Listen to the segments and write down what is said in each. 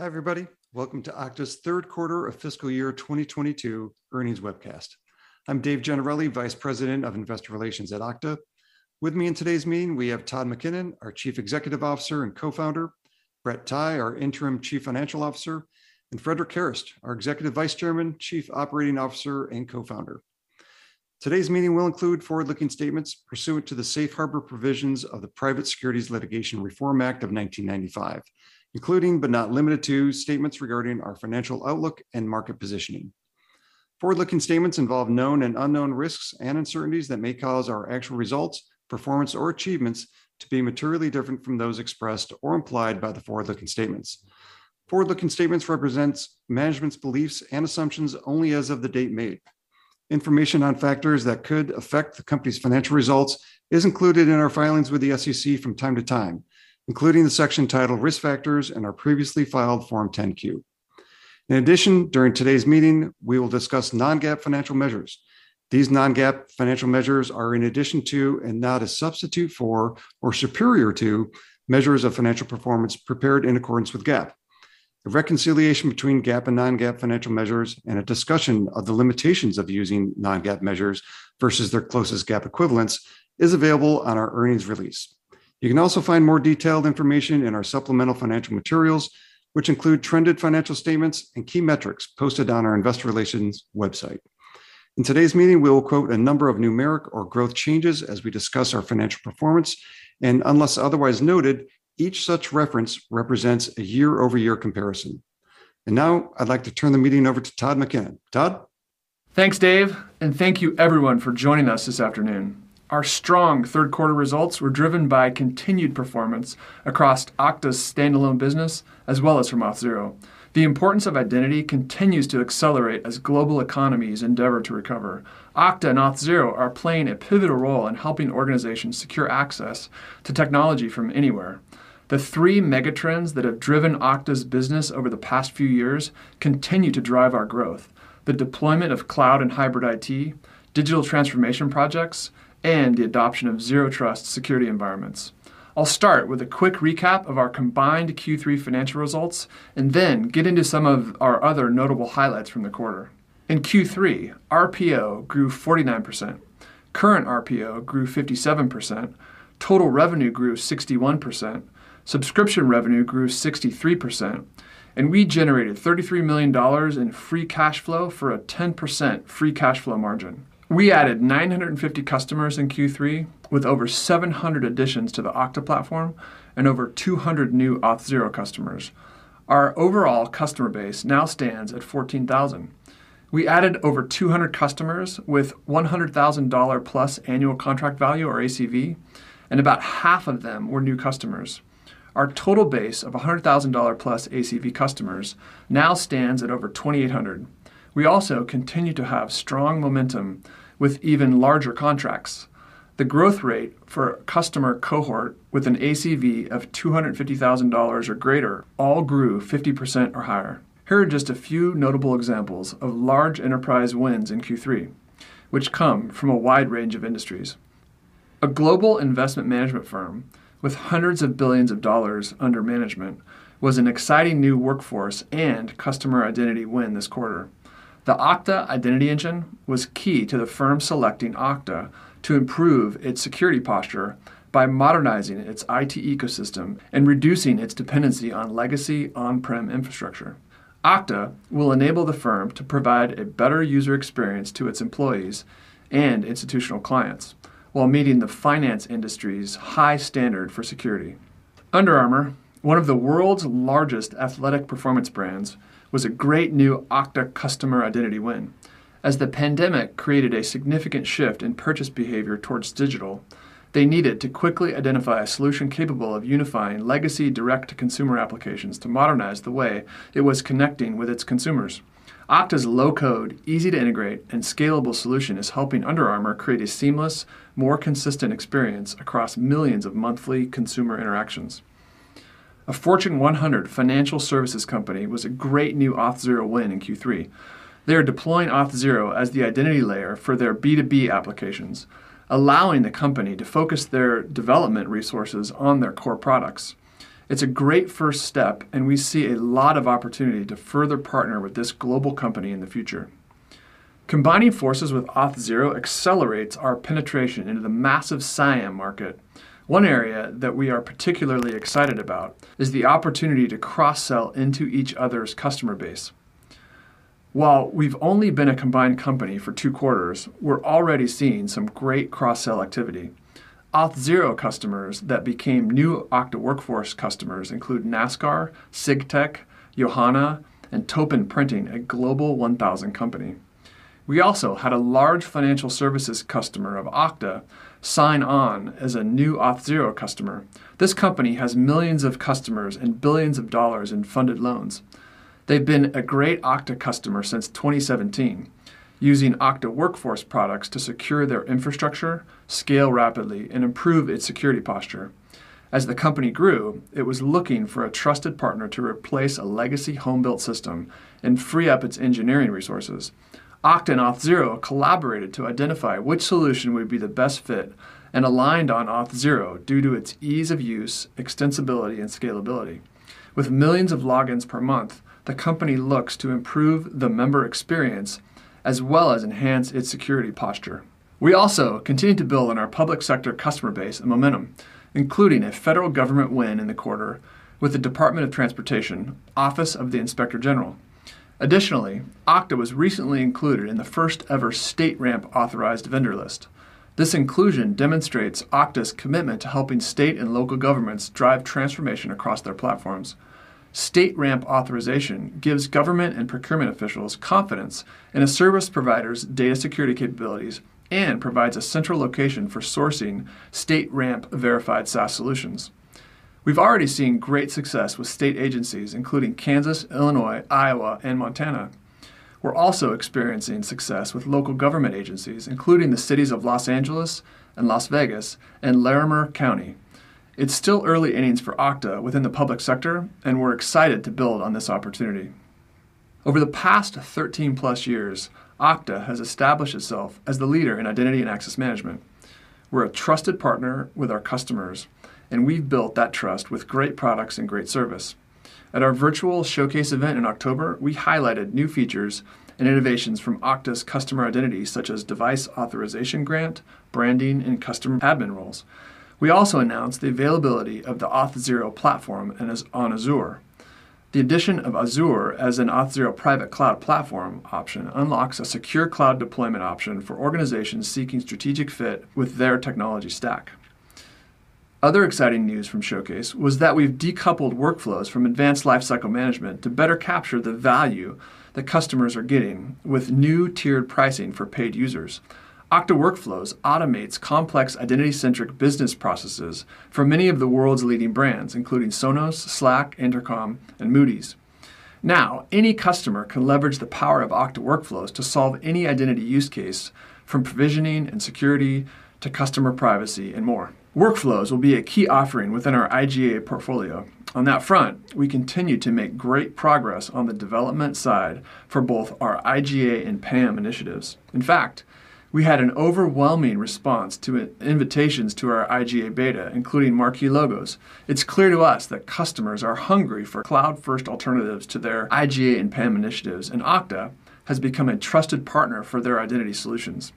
Hi, everybody. Welcome to Okta's third quarter of fiscal year 2022 earnings webcast. I'm Dave Gennarelli, Vice President of Investor Relations at Okta. With me in today's meeting, we have Todd McKinnon, our Chief Executive Officer and Co-founder, Brett Tighe, our Interim Chief Financial Officer, and Frederic Kerrest, our Executive Vice Chairman, Chief Operating Officer, and Co-founder. Today's meeting will include forward-looking statements pursuant to the safe harbor provisions of the Private Securities Litigation Reform Act of 1995, including but not limited to statements regarding our financial outlook and market positioning. Forward-looking statements involve known and unknown risks and uncertainties that may cause our actual results, performance, or achievements to be materially different from those expressed or implied by the forward-looking statements. Forward-looking statements represents management's beliefs and assumptions only as of the date made. Information on factors that could affect the company's financial results is included in our filings with the SEC from time to time, including the section titled Risk Factors in our previously filed Form 10-Q. In addition, during today's meeting, we will discuss non-GAAP financial measures. These non-GAAP financial measures are in addition to and not a substitute for or superior to measures of financial performance prepared in accordance with GAAP. A reconciliation between GAAP and non-GAAP financial measures and a discussion of the limitations of using non-GAAP measures versus their closest GAAP equivalents is available on our earnings release. You can also find more detailed information in our supplemental financial materials, which include trended financial statements and key metrics posted on our investor relations website. In today's meeting, we will quote a number of numeric or growth changes as we discuss our financial performance, and unless otherwise noted, each such reference represents a year-over-year comparison. Now I'd like to turn the meeting over to Todd McKinnon. Todd? Thanks, Dave, and thank you everyone for joining us this afternoon. Our strong third quarter results were driven by continued performance across Okta's standalone business as well as from Auth0. The importance of identity continues to accelerate as global economies endeavor to recover. Okta and Auth0 are playing a pivotal role in helping organizations secure access to technology from anywhere. The three megatrends that have driven Okta's business over the past few years continue to drive our growth. The deployment of cloud and hybrid IT, digital transformation projects, and the adoption of zero trust security environments. I'll start with a quick recap of our combined Q3 financial results and then get into some of our other notable highlights from the quarter. In Q3, RPO grew 49%. Current RPO grew 57%. Total revenue grew 61%. Subscription revenue grew 63%. We generated $33 million in free cash flow for a 10% free cash flow margin. We added 950 customers in Q3, with over 700 additions to the Okta platform and over 200 new Auth0 customers. Our overall customer base now stands at 14,000. We added over 200 customers with $100,000-plus annual contract value or ACV, and about half of them were new customers. Our total base of $100,000-plus ACV customers now stands at over 2,800. We also continue to have strong momentum with even larger contracts. The growth rate for a customer cohort with an ACV of $250,000 or greater all grew 50% or higher. Here are just a few notable examples of large enterprise wins in Q3, which come from a wide range of industries. A global investment management firm with hundreds of billions of dollars under management was an exciting new workforce and customer identity win this quarter. The Okta Identity Engine was key to the firm selecting Okta to improve its security posture by modernizing its IT ecosystem and reducing its dependency on legacy on-prem infrastructure. Okta will enable the firm to provide a better user experience to its employees and institutional clients while meeting the finance industry's high standard for security. Under Armour, one of the world's largest athletic performance brands, was a great new Okta customer identity win. As the pandemic created a significant shift in purchase behavior towards digital, they needed to quickly identify a solution capable of unifying legacy direct-to-consumer applications to modernize the way it was connecting with its consumers. Okta's low-code, easy-to-integrate, and scalable solution is helping Under Armour create a seamless, more consistent experience across millions of monthly consumer interactions. A Fortune 100 financial services company was a great new Auth0 win in Q3. They are deploying Auth0 as the identity layer for their B2B applications, allowing the company to focus their development resources on their core products. It's a great first step, and we see a lot of opportunity to further partner with this global company in the future. Combining forces with Auth0 accelerates our penetration into the massive CIAM market. One area that we are particularly excited about is the opportunity to cross-sell into each other's customer base. While we've only been a combined company for two quarters, we're already seeing some great cross-sell activity. Auth0 customers that became new Okta Workforce customers include NASCAR, SigTech, Yohana, and Toppan Printing, a Global 1000 company. We also had a large financial services customer of Okta sign on as a new Auth0 customer. This company has millions of customers and billions of dollars in funded loans. They've been a great Okta customer since 2017, using Okta Workforce products to secure their infrastructure, scale rapidly, and improve its security posture. As the company grew, it was looking for a trusted partner to replace a legacy home-built system and free up its engineering resources. Okta and Auth0 collaborated to identify which solution would be the best fit and aligned on Auth0 due to its ease of use, extensibility, and scalability. With millions of logins per month, the company looks to improve the member experience as well as enhance its security posture. We also continue to build on our public sector customer base and momentum, including a federal government win in the quarter with the Department of Transportation, Office of the Inspector General. Additionally, Okta was recently included in the first ever StateRAMP authorized vendor list. This inclusion demonstrates Okta's commitment to helping state and local governments drive transformation across their platforms. StateRAMP authorization gives government and procurement officials confidence in a service provider's data security capabilities and provides a central location for sourcing StateRAMP verified SaaS solutions. We've already seen great success with state agencies, including Kansas, Illinois, Iowa, and Montana. We're also experiencing success with local government agencies, including the cities of Los Angeles and Las Vegas and Larimer County. It's still early innings for Okta within the public sector, and we're excited to build on this opportunity. Over the past 13+ years, Okta has established itself as the leader in identity and access management. We're a trusted partner with our customers, and we've built that trust with great products and great service. At our virtual showcase event in October, we highlighted new features and innovations from Okta's customer identity, such as device authorization grant, branding, and custom admin roles. We also announced the availability of the Auth0 platform on Azure. The addition of Azure as an Auth0 private cloud platform option unlocks a secure cloud deployment option for organizations seeking strategic fit with their technology stack. Other exciting news from Showcase was that we've decoupled Workflows from Advanced Lifecycle Management to better capture the value that customers are getting with new tiered pricing for paid users. Okta Workflows automates complex identity-centric business processes for many of the world's leading brands, including Sonos, Slack, Intercom, and Moody's. Now, any customer can leverage the power of Okta Workflows to solve any identity use case from provisioning and security to customer privacy and more. Workflows will be a key offering within our IGA portfolio. On that front, we continue to make great progress on the development side for both our IGA and PAM initiatives. In fact, we had an overwhelming response to invitations to our IGA beta, including marquee logos. It's clear to us that customers are hungry for cloud-first alternatives to their IGA and PAM initiatives, and Okta has become a trusted partner for their identity solutions.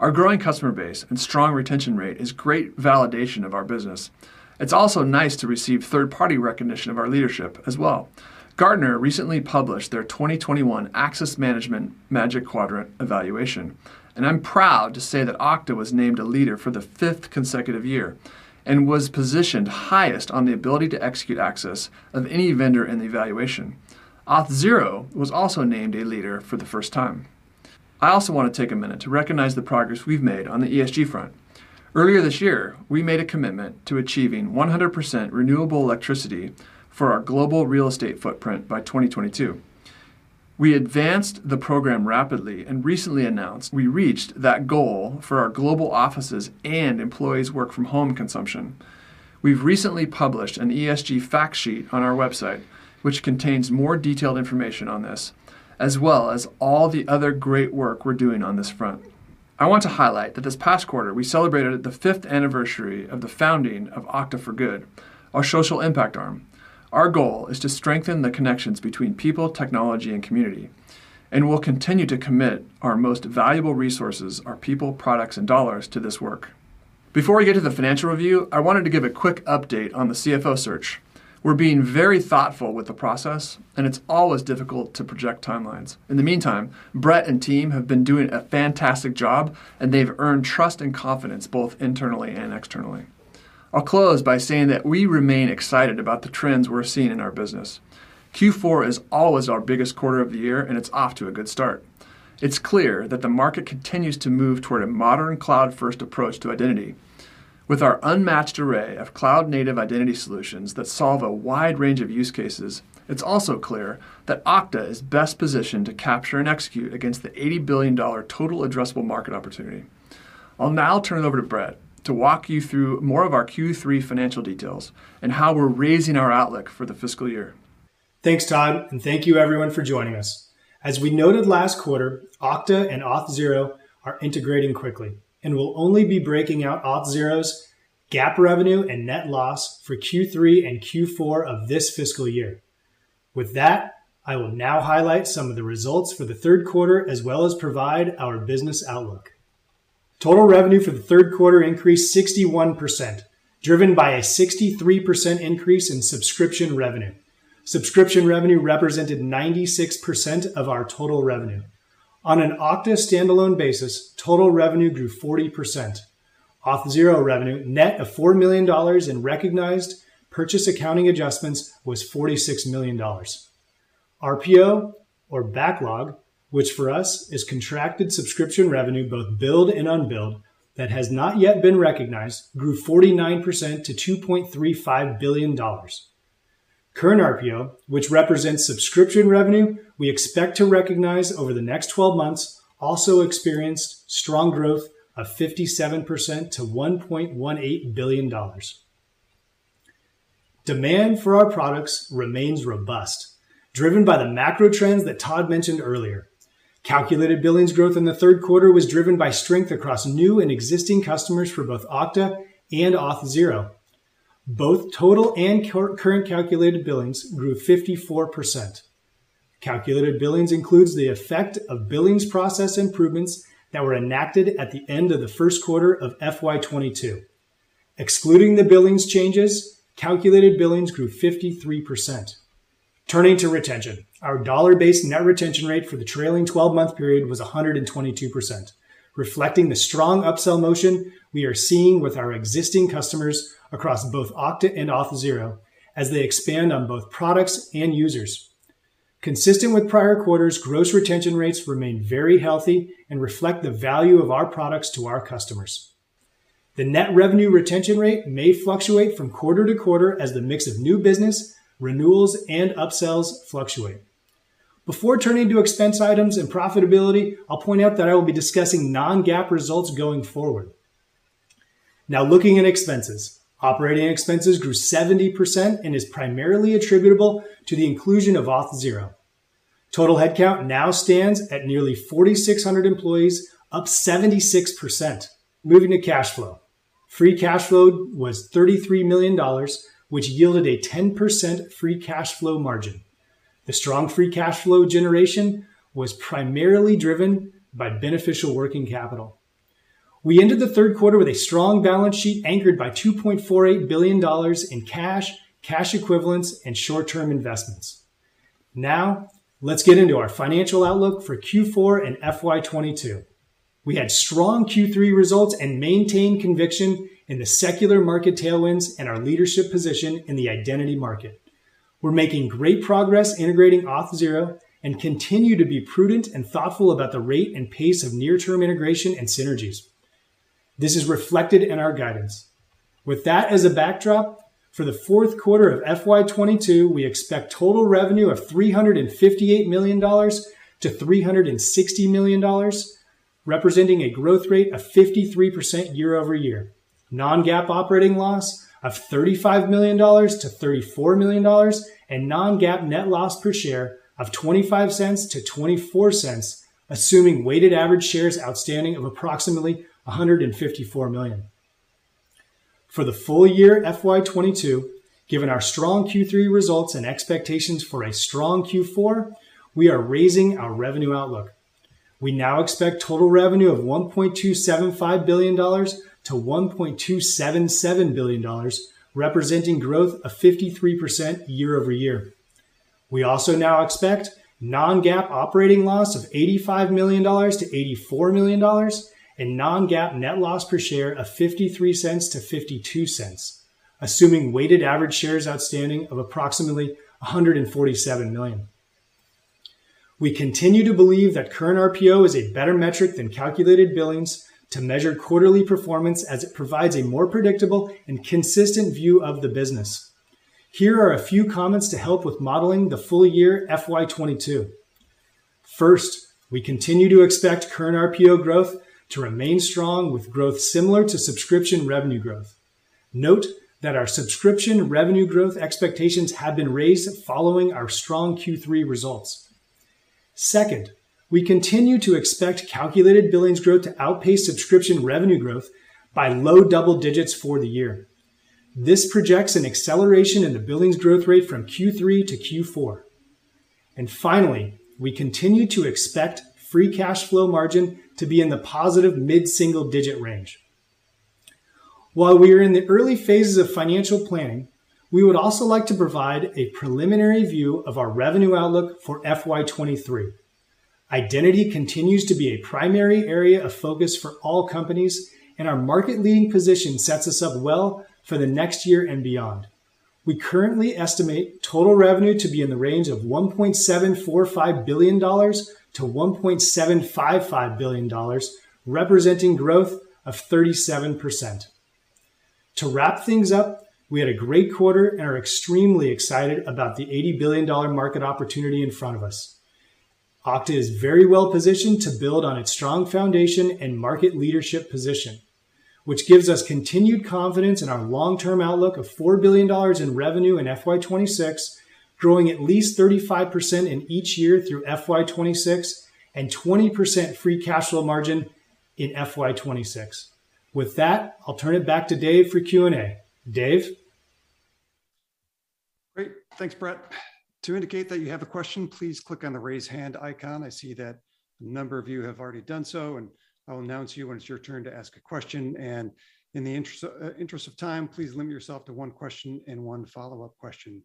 Our growing customer base and strong retention rate is great validation of our business. It's also nice to receive third-party recognition of our leadership as well. Gartner recently published their 2021 Access Management Magic Quadrant evaluation, and I'm proud to say that Okta was named a leader for the fifth consecutive year and was positioned highest on the ability to execute axis of any vendor in the evaluation. Auth0 was also named a leader for the first time. I also want to take a minute to recognize the progress we've made on the ESG front. Earlier this year, we made a commitment to achieving 100% renewable electricity for our global real estate footprint by 2022. We advanced the program rapidly and recently announced we reached that goal for our global offices and employees work from home consumption. We've recently published an ESG fact sheet on our website, which contains more detailed information on this, as well as all the other great work we're doing on this front. I want to highlight that this past quarter, we celebrated the fifth anniversary of the founding of Okta for Good, our social impact arm. Our goal is to strengthen the connections between people, technology, and community, and we'll continue to commit our most valuable resources, our people, products, and dollars, to this work. Before I get to the financial review, I wanted to give a quick update on the CFO search. We're being very thoughtful with the process, and it's always difficult to project timelines. In the meantime, Brett and team have been doing a fantastic job, and they've earned trust and confidence both internally and externally. I'll close by saying that we remain excited about the trends we're seeing in our business. Q4 is always our biggest quarter of the year, and it's off to a good start. It's clear that the market continues to move toward a modern cloud-first approach to identity. With our unmatched array of cloud-native identity solutions that solve a wide range of use cases, it's also clear that Okta is best positioned to capture and execute against the $80 billion total addressable market opportunity. I'll now turn it over to Brett to walk you through more of our Q3 financial details and how we're raising our outlook for the fiscal year. Thanks, Todd, and thank you everyone for joining us. As we noted last quarter, Okta and Auth0 are integrating quickly, and we'll only be breaking out Auth0's GAAP revenue and net loss for Q3 and Q4 of this fiscal year. With that, I will now highlight some of the results for the third quarter, as well as provide our business outlook. Total revenue for the third quarter increased 61%, driven by a 63% increase in subscription revenue. Subscription revenue represented 96% of our total revenue. On an Okta standalone basis, total revenue grew 40%. Auth0 revenue, net of $4 million in recognized purchase accounting adjustments, was $46 million. RPO or backlog, which for us is contracted subscription revenue, both billed and unbilled, that has not yet been recognized, grew 49% to $2.35 billion. Current RPO, which represents subscription revenue we expect to recognize over the next 12 months, also experienced strong growth of 57% to $1.18 billion. Demand for our products remains robust, driven by the macro trends that Todd mentioned earlier. Calculated billings growth in the third quarter was driven by strength across new and existing customers for both Okta and Auth0. Both total and current calculated billings grew 54%. Calculated billings includes the effect of billings process improvements that were enacted at the end of the first quarter of FY 2022. Excluding the billings changes, calculated billings grew 53%. Turning to retention, our dollar-based net retention rate for the trailing 12-month period was 122%, reflecting the strong upsell motion we are seeing with our existing customers across both Okta and Auth0 as they expand on both products and users. Consistent with prior quarters, gross retention rates remain very healthy and reflect the value of our products to our customers. The net revenue retention rate may fluctuate from quarter to quarter as the mix of new business, renewals, and upsells fluctuate. Before turning to expense items and profitability, I'll point out that I will be discussing non-GAAP results going forward. Now looking at expenses. Operating expenses grew 70% and is primarily attributable to the inclusion of Auth0. Total headcount now stands at nearly 4,600 employees, up 76%. Moving to cash flow. Free cash flow was $33 million, which yielded a 10% free cash flow margin. The strong free cash flow generation was primarily driven by beneficial working capital. We ended the third quarter with a strong balance sheet anchored by $2.48 billion in cash equivalents, and short-term investments. Now, let's get into our financial outlook for Q4 and FY 2022. We had strong Q3 results and maintained conviction in the secular market tailwinds and our leadership position in the identity market. We're making great progress integrating Auth0 and continue to be prudent and thoughtful about the rate and pace of near-term integration and synergies. This is reflected in our guidance. With that as a backdrop, for the fourth quarter of FY 2022, we expect total revenue of $358 million-$360 million, representing a growth rate of 53% year-over-year. Non-GAAP operating loss of $35 million-$34 million, and non-GAAP net loss per share of $0.25-$0.24, assuming weighted average shares outstanding of approximately 154 million. For the full year FY 2022, given our strong Q3 results and expectations for a strong Q4, we are raising our revenue outlook. We now expect total revenue of $1.275 billion-$1.277 billion, representing growth of 53% year-over-year. We also now expect non-GAAP operating loss of $85 million-$84 million, and non-GAAP net loss per share of $0.53-$0.52, assuming weighted average shares outstanding of approximately 147 million. We continue to believe that current RPO is a better metric than calculated billings to measure quarterly performance as it provides a more predictable and consistent view of the business. Here are a few comments to help with modeling the full year FY 2022. First, we continue to expect current RPO growth to remain strong with growth similar to subscription revenue growth. Note that our subscription revenue growth expectations have been raised following our strong Q3 results. Second, we continue to expect calculated billings growth to outpace subscription revenue growth by low double digits for the year. This projects an acceleration in the billings growth rate from Q3 to Q4. Finally, we continue to expect free cash flow margin to be in the positive mid-single digit range. While we are in the early phases of financial planning, we would also like to provide a preliminary view of our revenue outlook for FY 2023. Identity continues to be a primary area of focus for all companies, and our market leading position sets us up well for the next year and beyond. We currently estimate total revenue to be in the range of $1.745 billion-$1.755 billion, representing growth of 37%. To wrap things up, we had a great quarter and are extremely excited about the $80 billion market opportunity in front of us. Okta is very well-positioned to build on its strong foundation and market leadership position, which gives us continued confidence in our long-term outlook of $4 billion in revenue in FY 2026, growing at least 35% in each year through FY 2026, and 20% free cash flow margin in FY 2026. With that, I'll turn it back to Dave for Q&A. Dave? Great. Thanks, Brett. To indicate that you have a question, please click on the raise hand icon. I see that a number of you have already done so, and I will announce you when it's your turn to ask a question. In the interest of time, please limit yourself to one question and one follow-up question.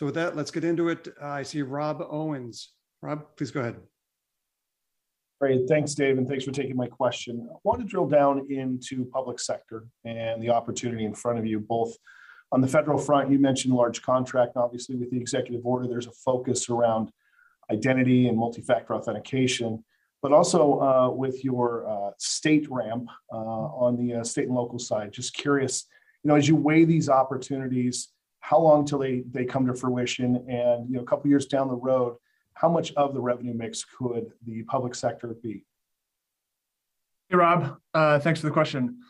With that, let's get into it. I see Rob Owens. Rob, please go ahead. Great. Thanks, Dave, and thanks for taking my question. I want to drill down into public sector and the opportunity in front of you both. On the federal front, you mentioned large contract. Obviously, with the executive order, there's a focus around identity and multi-factor authentication, but also, with your StateRAMP, on the state and local side. Just curious, you know, as you weigh these opportunities, how long till they come to fruition and, you know, a couple years down the road, how much of the revenue mix could the public sector be? Hey, Rob. Thanks for the question.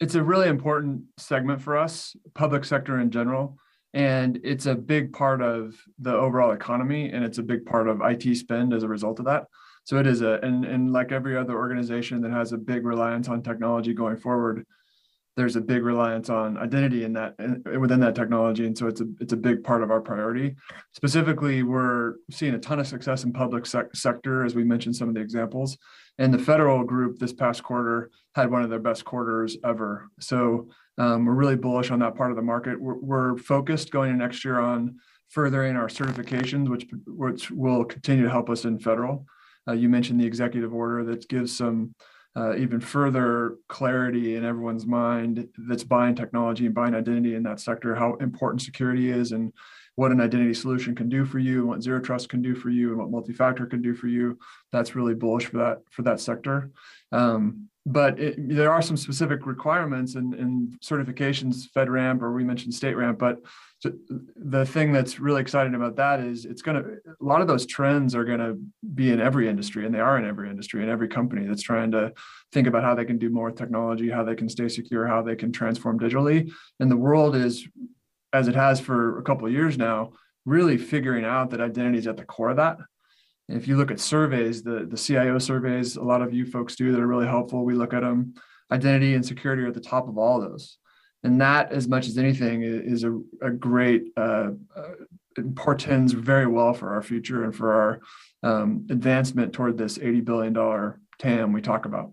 It's a really important segment for us, public sector in general, and it's a big part of the overall economy, and it's a big part of IT spend as a result of that. Like every other organization that has a big reliance on technology going forward, there's a big reliance on identity in that within that technology, and so it's a big part of our priority. Specifically, we're seeing a ton of success in public sector, as we mentioned some of the examples. The federal group this past quarter had one of their best quarters ever. We're really bullish on that part of the market. We're focused going into next year on furthering our certifications, which will continue to help us in federal. You mentioned the executive order that gives some even further clarity in everyone's mind that's buying technology and buying identity in that sector, how important security is and what an identity solution can do for you, what zero trust can do for you, and what multi-factor can do for you. That's really bullish for that sector. There are some specific requirements and certifications, FedRAMP or we mentioned StateRAMP, but the thing that's really exciting about that is a lot of those trends are gonna be in every industry, and they are in every industry, and every company that's trying to think about how they can do more with technology, how they can stay secure, how they can transform digitally. The world is, as it has for a couple of years now, really figuring out that identity is at the core of that. If you look at surveys, the CIO surveys a lot of you folks do that are really helpful, we look at them, identity and security are at the top of all those. That, as much as anything, is a great. It portends very well for our future and for our advancement toward this $80 billion TAM we talk about.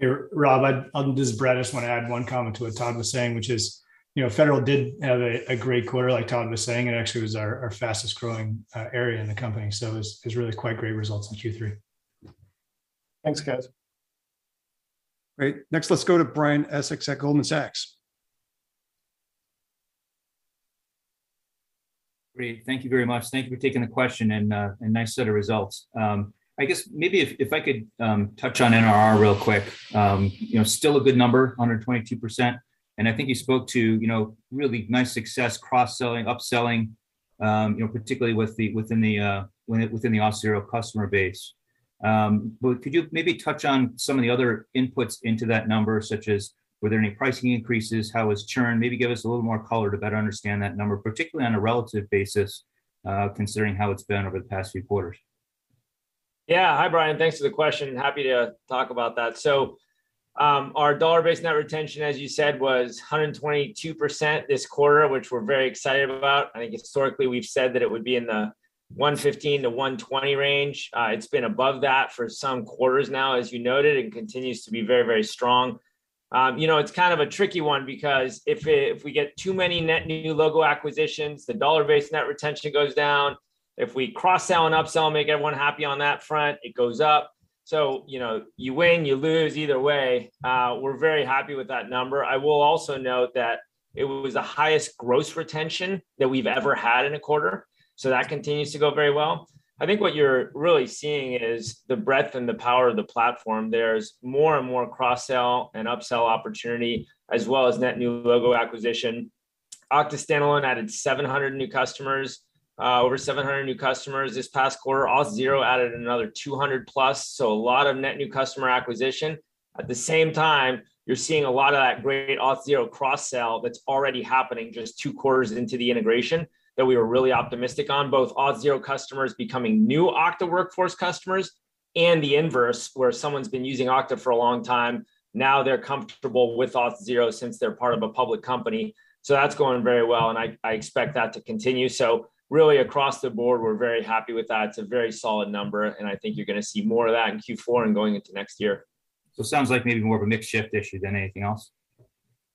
Here, Rob. This is Brett. I just want to add one comment to what Todd was saying, which is, you know, Federal did have a great quarter, like Todd was saying. It actually was our fastest-growing area in the company. It was really quite great results in Q3. Thanks, guys. Great. Next, let's go to Brian Essex at Goldman Sachs. Great. Thank you very much. Thank you for taking the question and nice set of results. I guess maybe if I could touch on NRR real quick. You know, still a good number, 122%. I think you spoke to, you know, really nice success cross-selling, upselling, you know, particularly within the Auth0 customer base. Could you maybe touch on some of the other inputs into that number, such as were there any pricing increases? How was churn? Maybe give us a little more color to better understand that number, particularly on a relative basis, considering how it's been over the past few quarters. Yeah. Hi, Brian. Thanks for the question. Happy to talk about that. Our dollar-based net retention, as you said, was 122% this quarter, which we're very excited about. I think historically, we've said that it would be in the 115%-120% range. It's been above that for some quarters now, as you noted, and continues to be very, very strong. You know, it's kind of a tricky one because if we get too many net new logo acquisitions, the dollar-based net retention goes down. If we cross-sell and upsell and make everyone happy on that front, it goes up. You know, you win, you lose, either way. We're very happy with that number. I will also note that it was the highest gross retention that we've ever had in a quarter, so that continues to go very well. I think what you're really seeing is the breadth and the power of the platform. There's more and more cross-sell and upsell opportunity as well as net new logo acquisition. Okta standalone added 700 new customers, over 700 new customers this past quarter. Auth0 added another 200+, so a lot of net new customer acquisition. At the same time, you're seeing a lot of that great Auth0 cross-sell that's already happening just two quarters into the integration that we were really optimistic on, both Auth0 customers becoming new Okta Workforce customers and the inverse, where someone's been using Okta for a long time, now they're comfortable with Auth0 since they're part of a public company. That's going very well, and I expect that to continue. Really across the board, we're very happy with that. It's a very solid number, and I think you're gonna see more of that in Q4 and going into next year. It sounds like maybe more of a mix shift issue than anything else.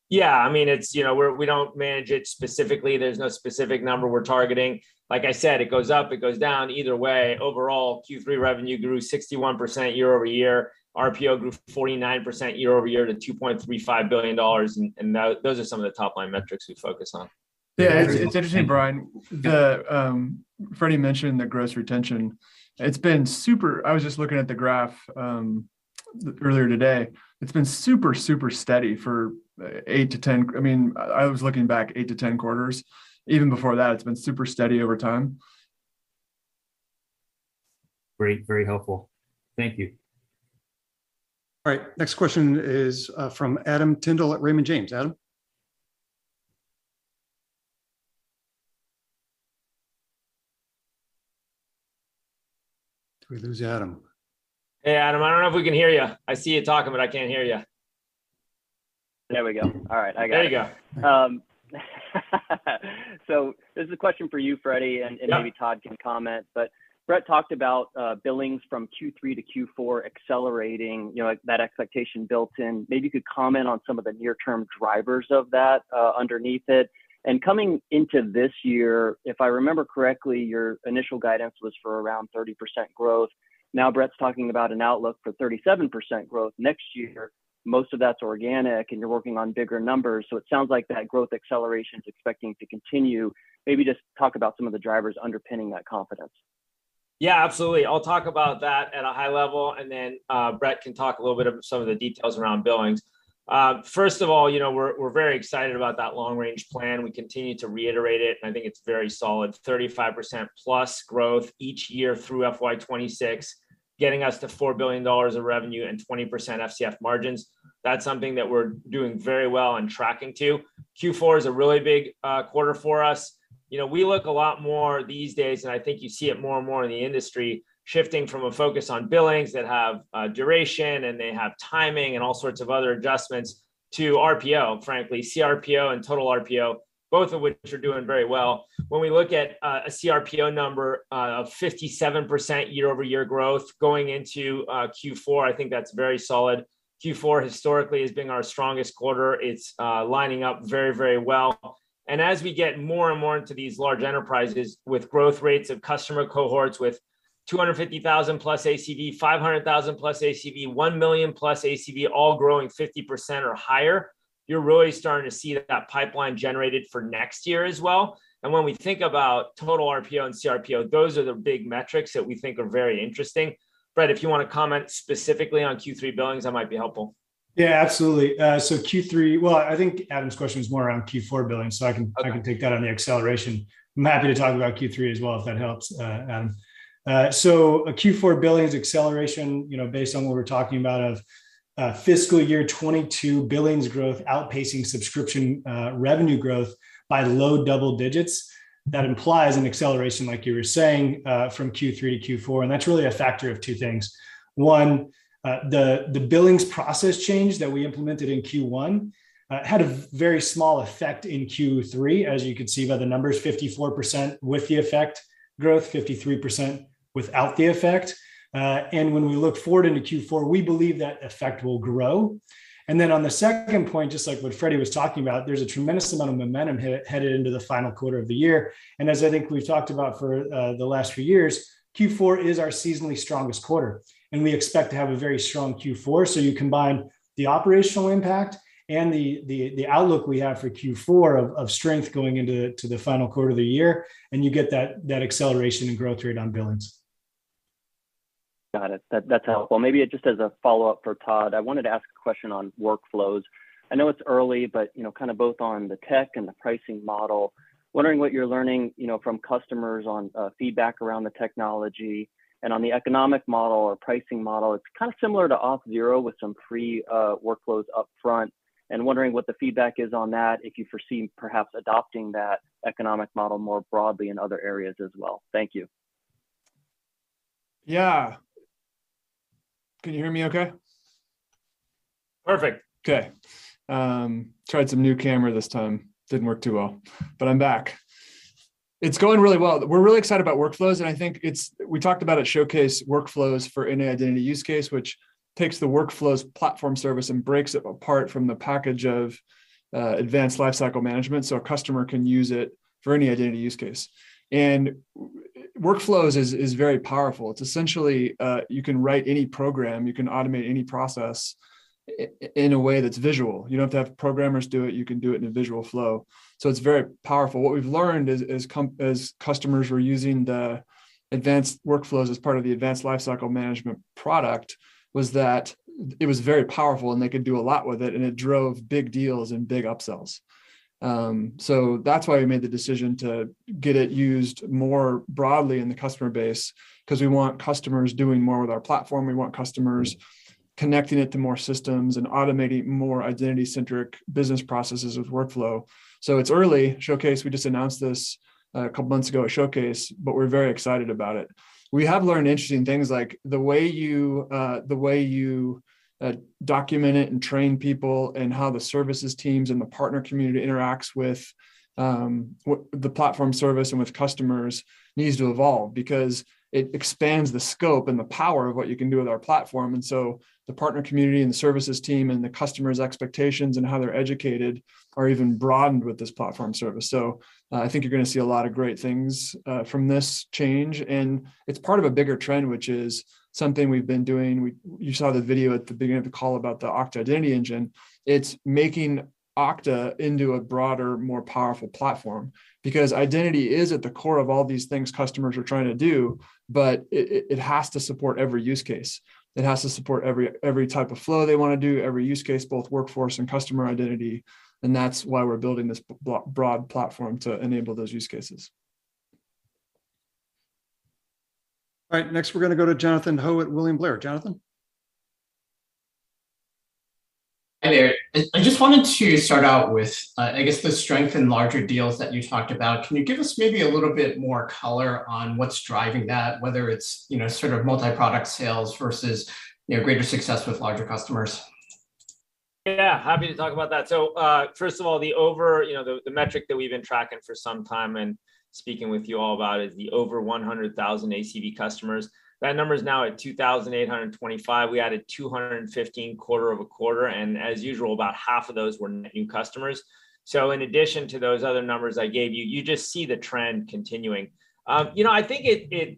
Yeah. I mean, it's, you know, we're, we don't manage it specifically. There's no specific number we're targeting. Like I said, it goes up, it goes down. Either way, overall, Q3 revenue grew 61% year-over-year. RPO grew 49% year-over-year to $2.35 billion. And that, those are some of the top-line metrics we focus on. Yeah. It's interesting, Brian. Freddy mentioned the gross retention. It's been super steady. I was just looking at the graph earlier today. It's been super steady for eight to 10 quarters. I mean, I was looking back eight to 10 quarters. Even before that, it's been super steady over time. Great. Very helpful. Thank you. All right. Next question is from Adam Tindle at Raymond James. Adam? Did we lose Adam? Hey, Adam, I don't know if we can hear you. I see you talking, but I can't hear you. There we go. All right. I got you. There you go. This is a question for you, Freddy. Yeah. Maybe Todd can comment. Brett talked about billings from Q3 to Q4 accelerating, you know, like that expectation built in. Maybe you could comment on some of the near-term drivers of that underneath it. Coming into this year, if I remember correctly, your initial guidance was for around 30% growth. Now, Brett's talking about an outlook for 37% growth next year. Most of that's organic, and you're working on bigger numbers, so it sounds like that growth acceleration is expecting to continue. Maybe just talk about some of the drivers underpinning that confidence. Yeah, absolutely. I'll talk about that at a high level, and then Brett can talk a little bit about some of the details around billings. First of all, you know, we're very excited about that long-range plan. We continue to reiterate it. I think it's very solid, 35%+ growth each year through FY 2026. Getting us to $4 billion of revenue and 20% FCF margins, that's something that we're doing very well and tracking to. Q4 is a really big quarter for us. You know, we look a lot more these days, and I think you see it more and more in the industry, shifting from a focus on billings that have duration, and they have timing, and all sorts of other adjustments to RPO, frankly, CRPO and total RPO, both of which are doing very well. When we look at a CRPO number of 57% year-over-year growth going into Q4, I think that's very solid. Q4 historically has been our strongest quarter. It's lining up very, very well. As we get more and more into these large enterprises with growth rates of customer cohorts with 250,000+ ACV, 500,000+ ACV, 1 million+ ACV, all growing 50% or higher, you're really starting to see that pipeline generated for next year as well. When we think about total RPO and CRPO, those are the big metrics that we think are very interesting. Brett, if you wanna comment specifically on Q3 billings, that might be helpful. Yeah, absolutely. I think Adam's question is more around Q4 billings, so I can take that on the acceleration. I'm happy to talk about Q3 as well, if that helps. So a Q4 billings acceleration, you know, based on what we're talking about of fiscal year 2022 billings growth outpacing subscription revenue growth by low double digits, that implies an acceleration, like you were saying, from Q3 to Q4, and that's really a factor of two things. One, the billings process change that we implemented in Q1 had a very small effect in Q3, as you can see by the numbers, 54% with the effect growth, 53% without the effect. And when we look forward into Q4, we believe that effect will grow. Then on the second point, just like what Freddy was talking about, there's a tremendous amount of momentum headed into the final quarter of the year. As I think we've talked about for the last few years, Q4 is our seasonally strongest quarter, and we expect to have a very strong Q4. You combine the operational impact and the outlook we have for Q4 of strength going into the final quarter of the year, and you get that acceleration and growth rate on billings. Got it. That's helpful. Maybe just as a follow-up for Todd, I wanted to ask a question on workflows. I know it's early, but you know, kind of both on the tech and the pricing model, wondering what you're learning, you know, from customers on feedback around the technology and on the economic model or pricing model. It's kind of similar to Auth0 with some free workflows up front. Wondering what the feedback is on that, if you foresee perhaps adopting that economic model more broadly in other areas as well. Thank you. Yeah. Can you hear me okay? Perfect. Okay. Tried some new camera this time. Didn't work too well, but I'm back. It's going really well. We're really excited about Workflows, and I think we talked about at Showcase, Workflows for any identity use case, which takes the Workflows platform service and breaks it apart from the package of Advanced Lifecycle Management, so a customer can use it for any identity use case. Workflows is very powerful. It's essentially, you can write any program, you can automate any process in a way that's visual. You don't have to have programmers do it. You can do it in a visual flow. So it's very powerful. What we've learned is that as customers were using the advanced workflows as part of the Advanced Lifecycle Management product, it was very powerful, and they could do a lot with it, and it drove big deals and big upsells. That's why we made the decision to get it used more broadly in the customer base, 'cause we want customers doing more with our platform. We want customers connecting it to more systems and automating more identity-centric business processes with workflow. It's early. We just announced this a couple months ago at Showcase, but we're very excited about it. We have learned interesting things like the way you document it and train people and how the services teams and the partner community interacts with the platform service and with customers needs to evolve because it expands the scope and the power of what you can do with our platform. The partner community and the services team and the customer's expectations and how they're educated are even broadened with this platform service. I think you're gonna see a lot of great things from this change, and it's part of a bigger trend, which is something we've been doing. You saw the video at the beginning of the call about the Okta Identity Engine. It's making Okta into a broader, more powerful platform because identity is at the core of all these things customers are trying to do, but it has to support every use case. It has to support every type of flow they wanna do, every use case, both workforce and customer identity. That's why we're building this broad platform to enable those use cases. All right. Next, we're gonna go to Jonathan Ho at William Blair. Jonathan. Hey there. I just wanted to start out with, I guess the strength in larger deals that you talked about. Can you give us maybe a little bit more color on what's driving that, whether it's, you know, sort of multi-product sales versus, you know, greater success with larger customers? Yeah, happy to talk about that. First of all, the metric that we've been tracking for some time and speaking with you all about is the over $100,000 ACV customers. That number is now at 2,825. We added 215 quarter-over-quarter, and as usual, about half of those were new customers. In addition to those other numbers I gave you just see the trend continuing. I think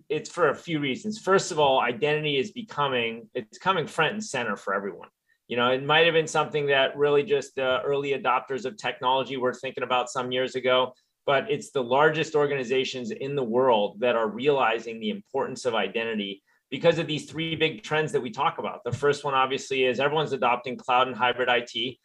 it's for a few reasons. First of all, identity is becoming, it's coming front and center for everyone. You know, it might have been something that really just early adopters of technology were thinking about some years ago, but it's the largest organizations in the world that are realizing the importance of identity because of these three big trends that we talk about. The first one, obviously, is everyone's adopting cloud and hybrid IT.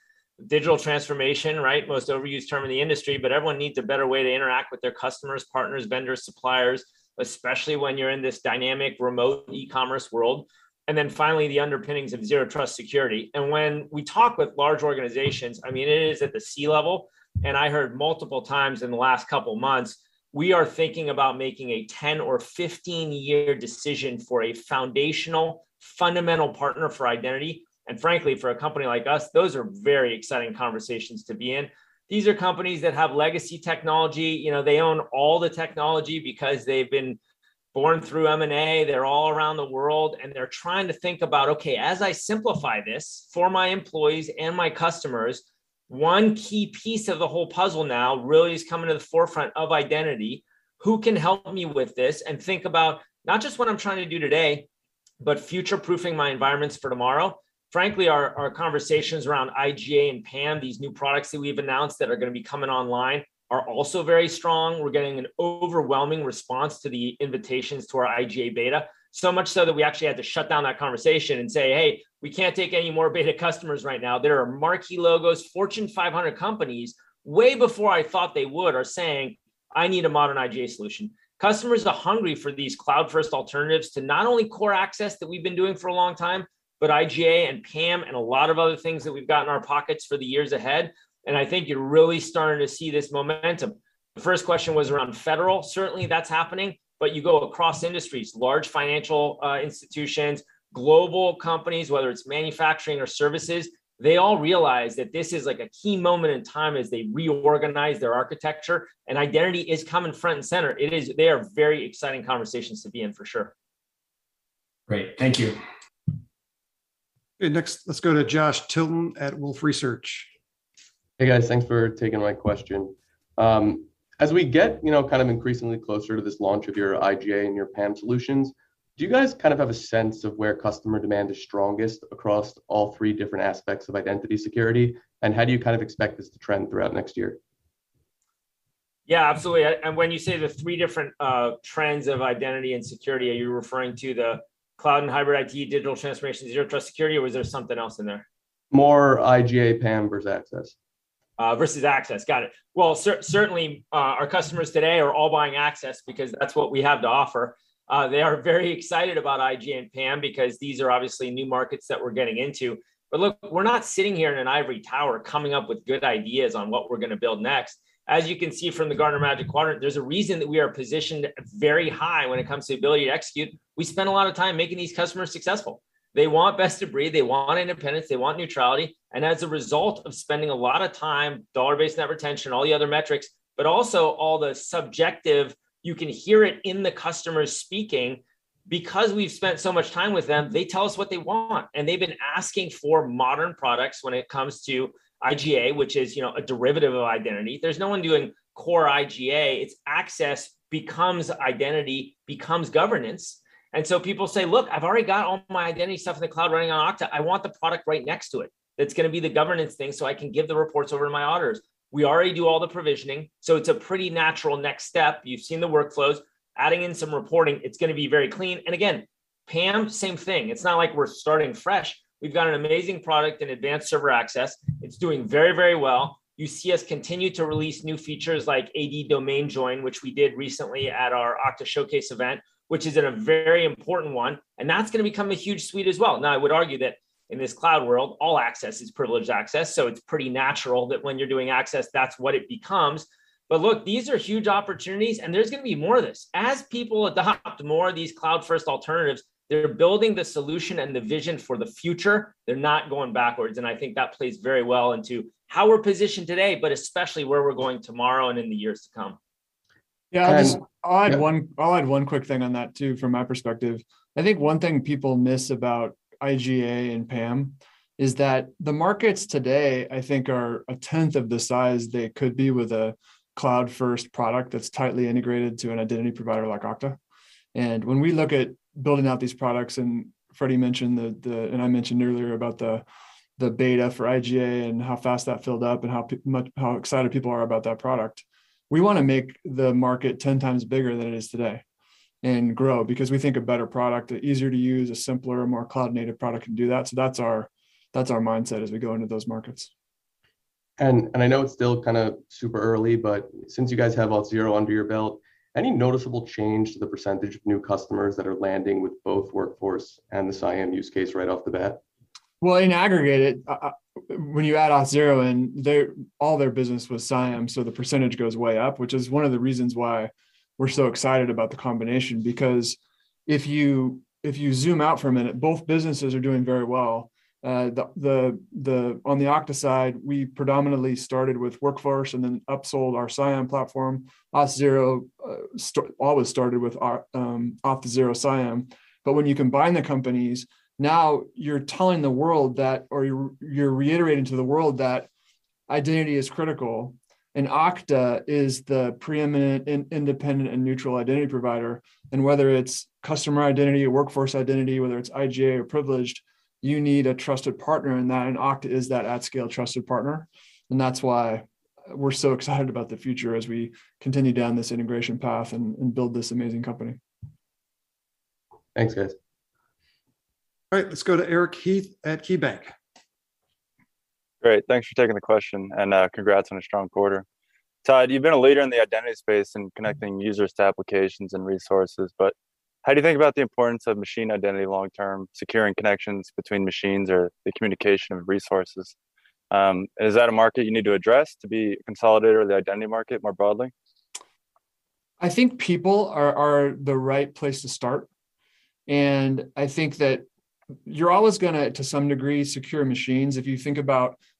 Digital transformation, right? Most overused term in the industry, but everyone needs a better way to interact with their customers, partners, vendors, suppliers, especially when you're in this dynamic, remote e-commerce world. Then finally, the underpinnings of zero trust security. When we talk with large organizations, I mean, it is at the C-level. I heard multiple times in the last couple months, we are thinking about making a 10- or 15-year decision for a foundational, fundamental partner for identity. Frankly, for a company like us, those are very exciting conversations to be in. These are companies that have legacy technology, you know, they own all the technology because they've been born through M&A, they're all around the world, and they're trying to think about, "Okay, as I simplify this for my employees and my customers, one key piece of the whole puzzle now really is coming to the forefront of identity. Who can help me with this, and think about not just what I'm trying to do today, but future-proofing my environments for tomorrow?" Frankly, our conversations around IGA and PAM, these new products that we've announced that are gonna be coming online, are also very strong. We're getting an overwhelming response to the invitations to our IGA beta. Much so that we actually had to shut down that conversation and say, "Hey, we can't take any more beta customers right now." There are marquee logos, Fortune 500 companies, way before I thought they would, are saying, "I need a modern IGA solution." Customers are hungry for these cloud-first alternatives to not only core access that we've been doing for a long time, but IGA and PAM and a lot of other things that we've got in our pockets for the years ahead, and I think you're really starting to see this momentum. The first question was around federal. Certainly, that's happening, but you go across industries, large financial institutions, global companies, whether it's manufacturing or services, they all realize that this is, like, a key moment in time as they reorganize their architecture, and identity is coming front and center. They are very exciting conversations to be in, for sure. Great. Thank you. Okay next, let's go to Josh Tilton at Wolfe Research. Hey, guys. Thanks for taking my question. As we get increasingly closer to this launch of your IGA and your PAM solutions, do you guys have a sense of where customer demand is strongest across all three different aspects of identity security? How do you expect this to trend throughout next year? Yeah, absolutely. When you say the three different trends of identity and security, are you referring to the cloud and hybrid IT, digital transformation, zero trust security, or was there something else in there? More IGA, PAM versus access. Versus access, got it. Well, certainly, our customers today are all buying access because that's what we have to offer. They are very excited about IGA and PAM because these are obviously new markets that we're getting into. Look, we're not sitting here in an ivory tower coming up with good ideas on what we're gonna build next. As you can see from the Gartner Magic Quadrant, there's a reason that we are positioned very high when it comes to ability to execute. We spend a lot of time making these customers successful. They want best of breed, they want independence, they want neutrality, and as a result of spending a lot of time, dollar-based net retention, all the other metrics, but also all the subjective, you can hear it in the customers speaking. Because we've spent so much time with them, they tell us what they want, and they've been asking for modern products when it comes to IGA, which is, you know, a derivative of identity. There's no one doing core IGA. It's access becomes identity, becomes governance. People say, "Look, I've already got all my identity stuff in the cloud running on Okta. I want the product right next to it that's gonna be the governance thing, so I can give the reports over to my auditors." We already do all the provisioning, so it's a pretty natural next step. You've seen the workflows. Adding in some reporting, it's gonna be very clean. Again, PAM, same thing. It's not like we're starting fresh. We've got an amazing product in Advanced Server Access. It's doing very, very well. You see us continue to release new features like AD-Joined, which we did recently at our Okta Showcase event, which is a very important one, and that's gonna become a huge suite as well. Now, I would argue that in this cloud world, all access is privileged access, so it's pretty natural that when you're doing access, that's what it becomes. Look, these are huge opportunities, and there's gonna be more of this. As people adopt more of these cloud-first alternatives, they're building the solution and the vision for the future. They're not going backwards, and I think that plays very well into how we're positioned today, but especially where we're going tomorrow and in the years to come. Yeah, I just. And. Yeah. I'll add one quick thing on that too from my perspective. I think one thing people miss about IGA and PAM is that the markets today, I think are a tenth of the size they could be with a cloud-first product that's tightly integrated to an identity provider like Okta. When we look at building out these products, and Fred mentioned the, and I mentioned earlier about the beta for IGA and how fast that filled up, and how much people are excited about that product. We wanna make the market 10x bigger than it is today and grow because we think a better product, easier to use, a simpler, more cloud-native product can do that, so that's our mindset as we go into those markets. I know it's still kind of super early, but since you guys have Auth0 under your belt, any noticeable change to the percentage of new customers that are landing with both Workforce and the CIAM use case right off the bat? Well, in aggregate it, when you add Auth0 in, all their business was CIAM, so the percentage goes way up, which is one of the reasons why we're so excited about the combination because if you zoom out for a minute, both businesses are doing very well. On the Okta side, we predominantly started with workforce and then upsold our CIAM platform. Auth0 always started with Auth0 CIAM. But when you combine the companies, now you're telling the world that or you're reiterating to the world that identity is critical, and Okta is the preeminent independent and neutral identity provider. Whether it's customer identity or workforce identity, whether it's IGA or privileged, you need a trusted partner in that, and Okta is that at scale trusted partner. That's why we're so excited about the future as we continue down this integration path and build this amazing company. Thanks, guys. All right. Let's go to Eric Heath at KeyBanc. Great. Thanks for taking the question, and congrats on a strong quarter. Todd, you've been a leader in the identity space and connecting users to applications and resources, but how do you think about the importance of machine identity long-term, securing connections between machines or the communication of resources? Is that a market you need to address to be consolidated or the identity market more broadly? I think people are the right place to start, and I think that you're always gonna to some degree secure machines. If you think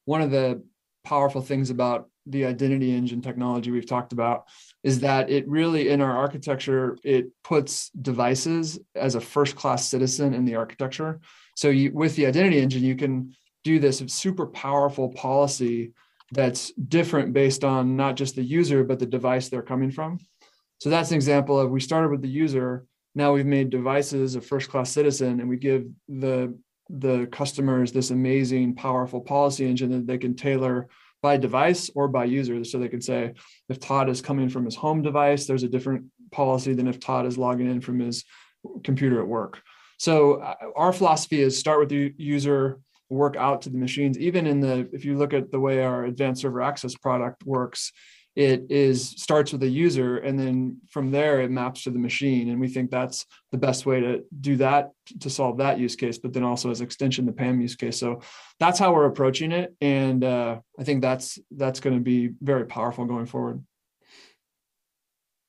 about one of the powerful things about the Identity Engine technology we've talked about is that it really, in our architecture, it puts devices as a first-class citizen in the architecture. So with the Identity Engine, you can do this super powerful policy that's different based on not just the user, but the device they're coming from. So that's an example of we started with the user, now we've made devices a first-class citizen, and we give the customers this amazing, powerful policy engine that they can tailor by device or by user. So they can say, if Todd is coming from his home device, there's a different policy than if Todd is logging in from his computer at work. Our philosophy is start with the user, work out to the machines. Even if you look at the way our Advanced Server Access product works, it starts with a user, and then from there it maps to the machine, and we think that's the best way to do that, to solve that use case, but then also as extension the PAM use case. That's how we're approaching it, and I think that's gonna be very powerful going forward.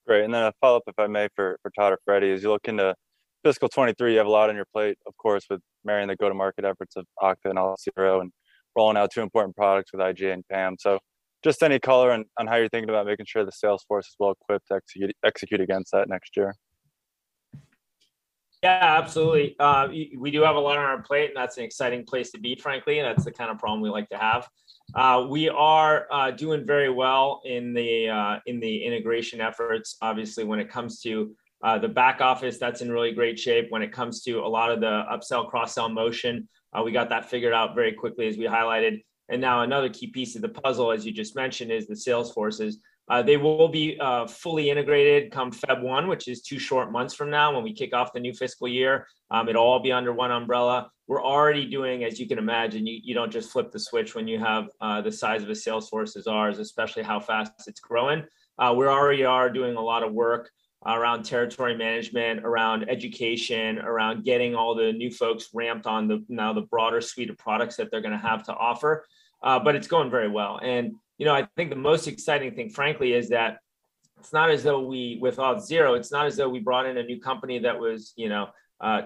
Great. A follow-up, if I may, for Todd or Freddy, as you look into fiscal 2023, you have a lot on your plate, of course, with marrying the go-to-market efforts of Okta and Auth0 and rolling out two important products with IGA and PAM. Just any color on how you're thinking about making sure the sales force is well-equipped to execute against that next year. Yeah, absolutely. We do have a lot on our plate, and that's an exciting place to be, frankly, and that's the kind of problem we like to have. We are doing very well in the integration efforts. Obviously, when it comes to the back office, that's in really great shape. When it comes to a lot of the upsell, cross-sell motion, we got that figured out very quickly as we highlighted. Now another key piece of the puzzle, as you just mentioned, is the sales forces. They will be fully integrated come February 1, which is two short months from now when we kick off the new fiscal year. It'll all be under one umbrella. We're already doing, as you can imagine, you don't just flip the switch when you have the size of a sales force as ours, especially how fast it's growing. We already are doing a lot of work around territory management, around education, around getting all the new folks ramped on now the broader suite of products that they're gonna have to offer. But it's going very well. You know, I think the most exciting thing, frankly, is that it's not as though, with Auth0, we brought in a new company that was, you know,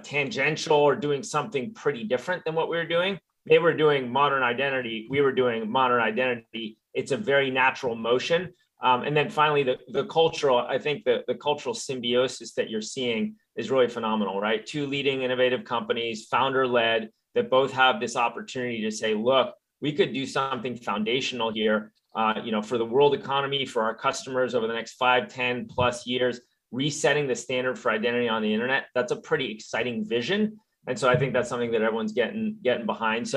tangential or doing something pretty different than what we were doing. They were doing modern identity, we were doing modern identity. It's a very natural motion. Finally, I think the cultural symbiosis that you're seeing is really phenomenal, right? Two leading innovative companies, founder-led, that both have this opportunity to say, "Look, we could do something foundational here, you know, for the world economy, for our customers over the next 5, 10+ years, resetting the standard for identity on the internet." That's a pretty exciting vision, and so I think that's something that everyone's getting behind.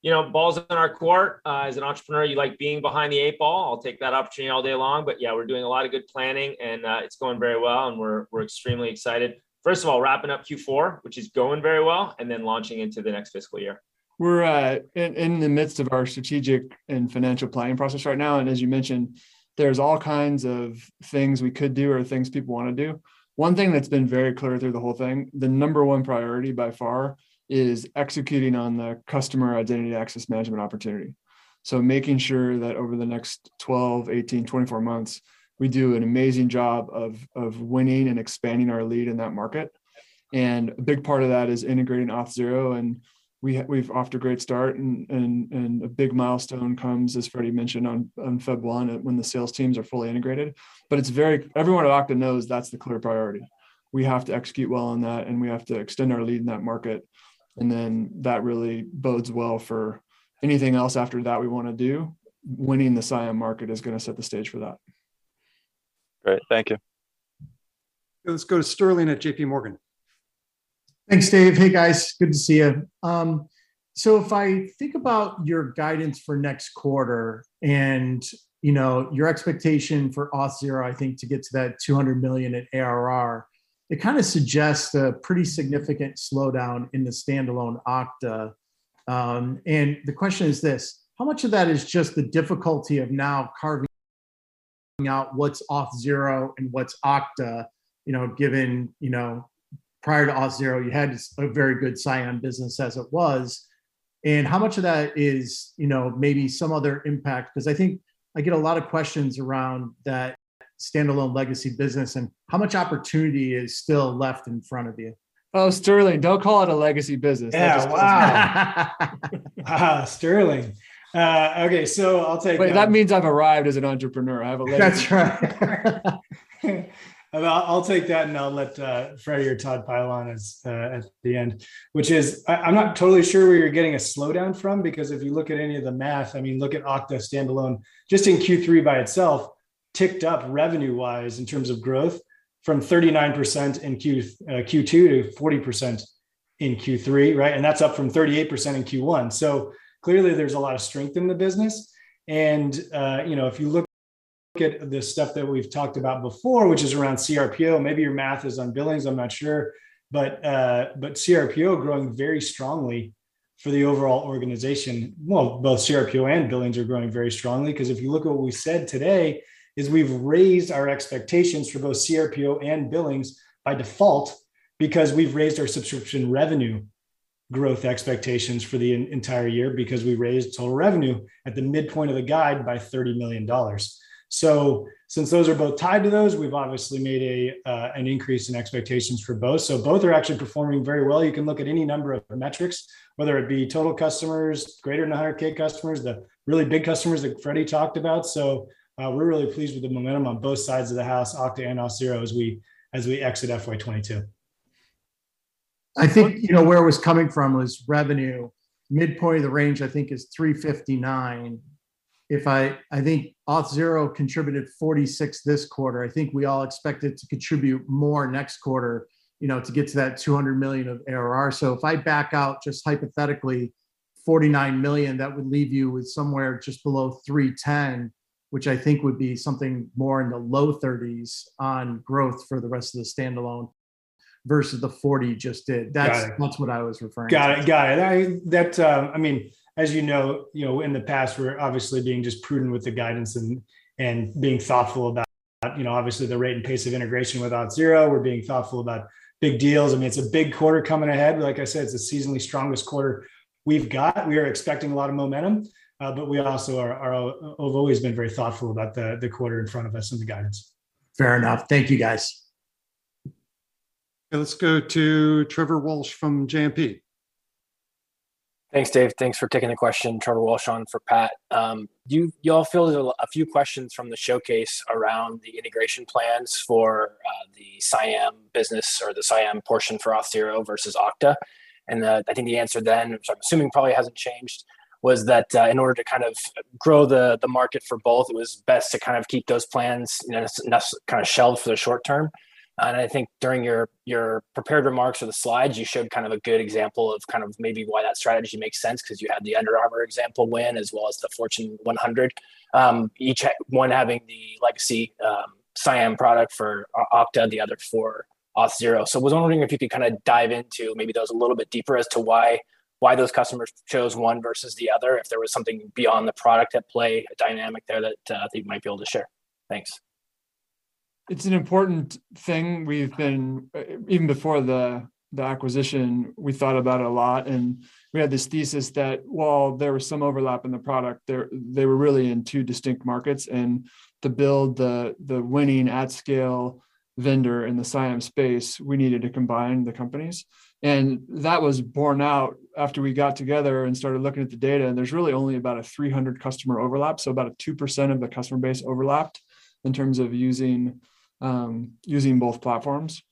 You know, ball's in our court. As an entrepreneur, you like being behind the eight ball. I'll take that opportunity all day long. Yeah, we're doing a lot of good planning and it's going very well and we're extremely excited. First of all, wrapping up Q4, which is going very well, and then launching into the next fiscal year. We're in the midst of our strategic and financial planning process right now, and as you mentioned, there's all kinds of things we could do or things people wanna do. One thing that's been very clear through the whole thing, the number one priority by far is executing on the customer identity access management opportunity. Making sure that over the next 12, 18, 24 months, we do an amazing job of winning and expanding our lead in that market. A big part of that is integrating Auth0, and we've off to a great start and a big milestone comes, as Fred mentioned, on February 1 when the sales teams are fully integrated. Everyone at Okta knows that's the clear priority. We have to execute well on that, and we have to extend our lead in that market, and then that really bodes well for anything else after that we wanna do. Winning the CIAM market is gonna set the stage for that. Great. Thank you. Let's go to Sterling at JPMorgan. Thanks, Dave. Hey, guys. If I think about your guidance for next quarter and, you know, your expectation for Auth0, I think, to get to that $200 million in ARR, it kinda suggests a pretty significant slowdown in the standalone Okta. The question is this: How much of that is just the difficulty of now carving out what's Auth0 and what's Okta, you know, given, you know, prior to Auth0, you had a very good CIAM business as it was. How much of that is, you know, maybe some other impact? 'Cause I think I get a lot of questions around that standalone legacy business, and how much opportunity is still left in front of you? Oh, Sterling, don't call it a legacy business. That just won't sit right. Yeah. Wow. Sterling. Okay, I'll take that. That means I've arrived as an entrepreneur. I have a legacy. That's right. I'll take that and I'll let Freddy or Todd pile on as at the end, which is I'm not totally sure where you're getting a slowdown from because if you look at any of the math, I mean, look at Okta standalone, just in Q3 by itself, ticked up revenue-wise in terms of growth from 39% in Q2 to 40% in Q3, right? That's up from 38% in Q1. Clearly there's a lot of strength in the business. You know, if you look at the stuff that we've talked about before, which is around CRPO, maybe your math is on billings, I'm not sure, but CRPO growing very strongly. For the overall organization, well, both CRPO and billings are growing very strongly because if you look at what we said today is we've raised our expectations for both CRPO and billings by default because we've raised our subscription revenue growth expectations for the entire year because we raised total revenue at the midpoint of the guide by $30 million. Since those are both tied to those, we've obviously made an increase in expectations for both. Both are actually performing very well. You can look at any number of metrics, whether it be total customers, greater than 100K customers, the really big customers that Fred talked about. We're really pleased with the momentum on both sides of the house, Okta and Auth0, as we exit FY 2022. I think, you know, where I was coming from was revenue. Midpoint of the range, I think, is $359. I think Auth0 contributed $46 this quarter. I think we all expect it to contribute more next quarter, you know, to get to that $200 million of ARR. If I back out just hypothetically $49 million, that would leave you with somewhere just below $310, which I think would be something more in the low 30s% on growth for the rest of the standalone versus the 40% just did. Got it. That's what I was referring to. Got it. I mean, as you know, in the past, we're obviously being just prudent with the guidance and being thoughtful about, you know, obviously the rate and pace of integration with Auth0. We're being thoughtful about big deals. I mean, it's a big quarter coming ahead. Like I said, it's the seasonally strongest quarter we've got. We are expecting a lot of momentum, but we also have always been very thoughtful about the quarter in front of us and the guidance. Fair enough. Thank you, guys. Let's go to Trevor Walsh from JMP. Thanks, Dave. Thanks for taking the question. Trevor Walsh on for Pat. You all fielded a few questions from the showcase around the integration plans for the CIAM business or the CIAM portion for Auth0 versus Okta. The answer then, which I'm assuming probably hasn't changed, was that in order to kind of grow the market for both, it was best to kind of keep those plans, you know, shelved for the short term. I think during your prepared remarks or the slides, you showed kind of a good example of kind of maybe why that strategy makes sense because you had the Under Armour example win, as well as the Fortune 100, each one having the legacy CIAM product for Okta, the other for Auth0. I was wondering if you could kind of dive into maybe those a little bit deeper as to why those customers chose one versus the other, if there was something beyond the product at play, a dynamic there that, I think you might be able to share. Thanks. It's an important thing. We've been even before the acquisition, we thought about it a lot, and we had this thesis that while there was some overlap in the product, they were really in two distinct markets. To build the winning at scale vendor in the CIAM space, we needed to combine the companies. That was borne out after we got together and started looking at the data, and there's really only about a 300 customer overlap, so about a 2% of the customer base overlapped in terms of using using both platforms.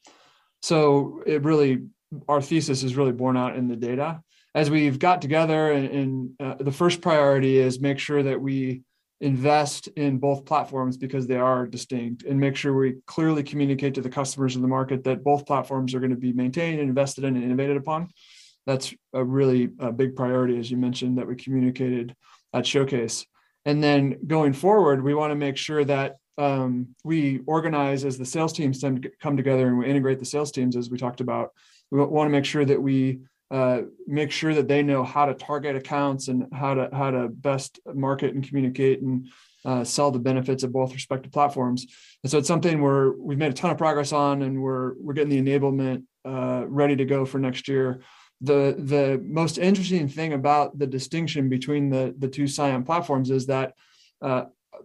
It really, our thesis is really borne out in the data. As we've got together, the first priority is make sure that we invest in both platforms because they are distinct and make sure we clearly communicate to the customers in the market that both platforms are gonna be maintained and invested in and innovated upon. That's a really big priority, as you mentioned, that we communicated at Showcase. Then going forward, we wanna make sure that we organize as the sales teams come together, and we integrate the sales teams as we talked about. We wanna make sure that we make sure that they know how to target accounts and how to best market and communicate and sell the benefits of both respective platforms. It's something we've made a ton of progress on, and we're getting the enablement ready to go for next year. The most interesting thing about the distinction between the two CIAM platforms is that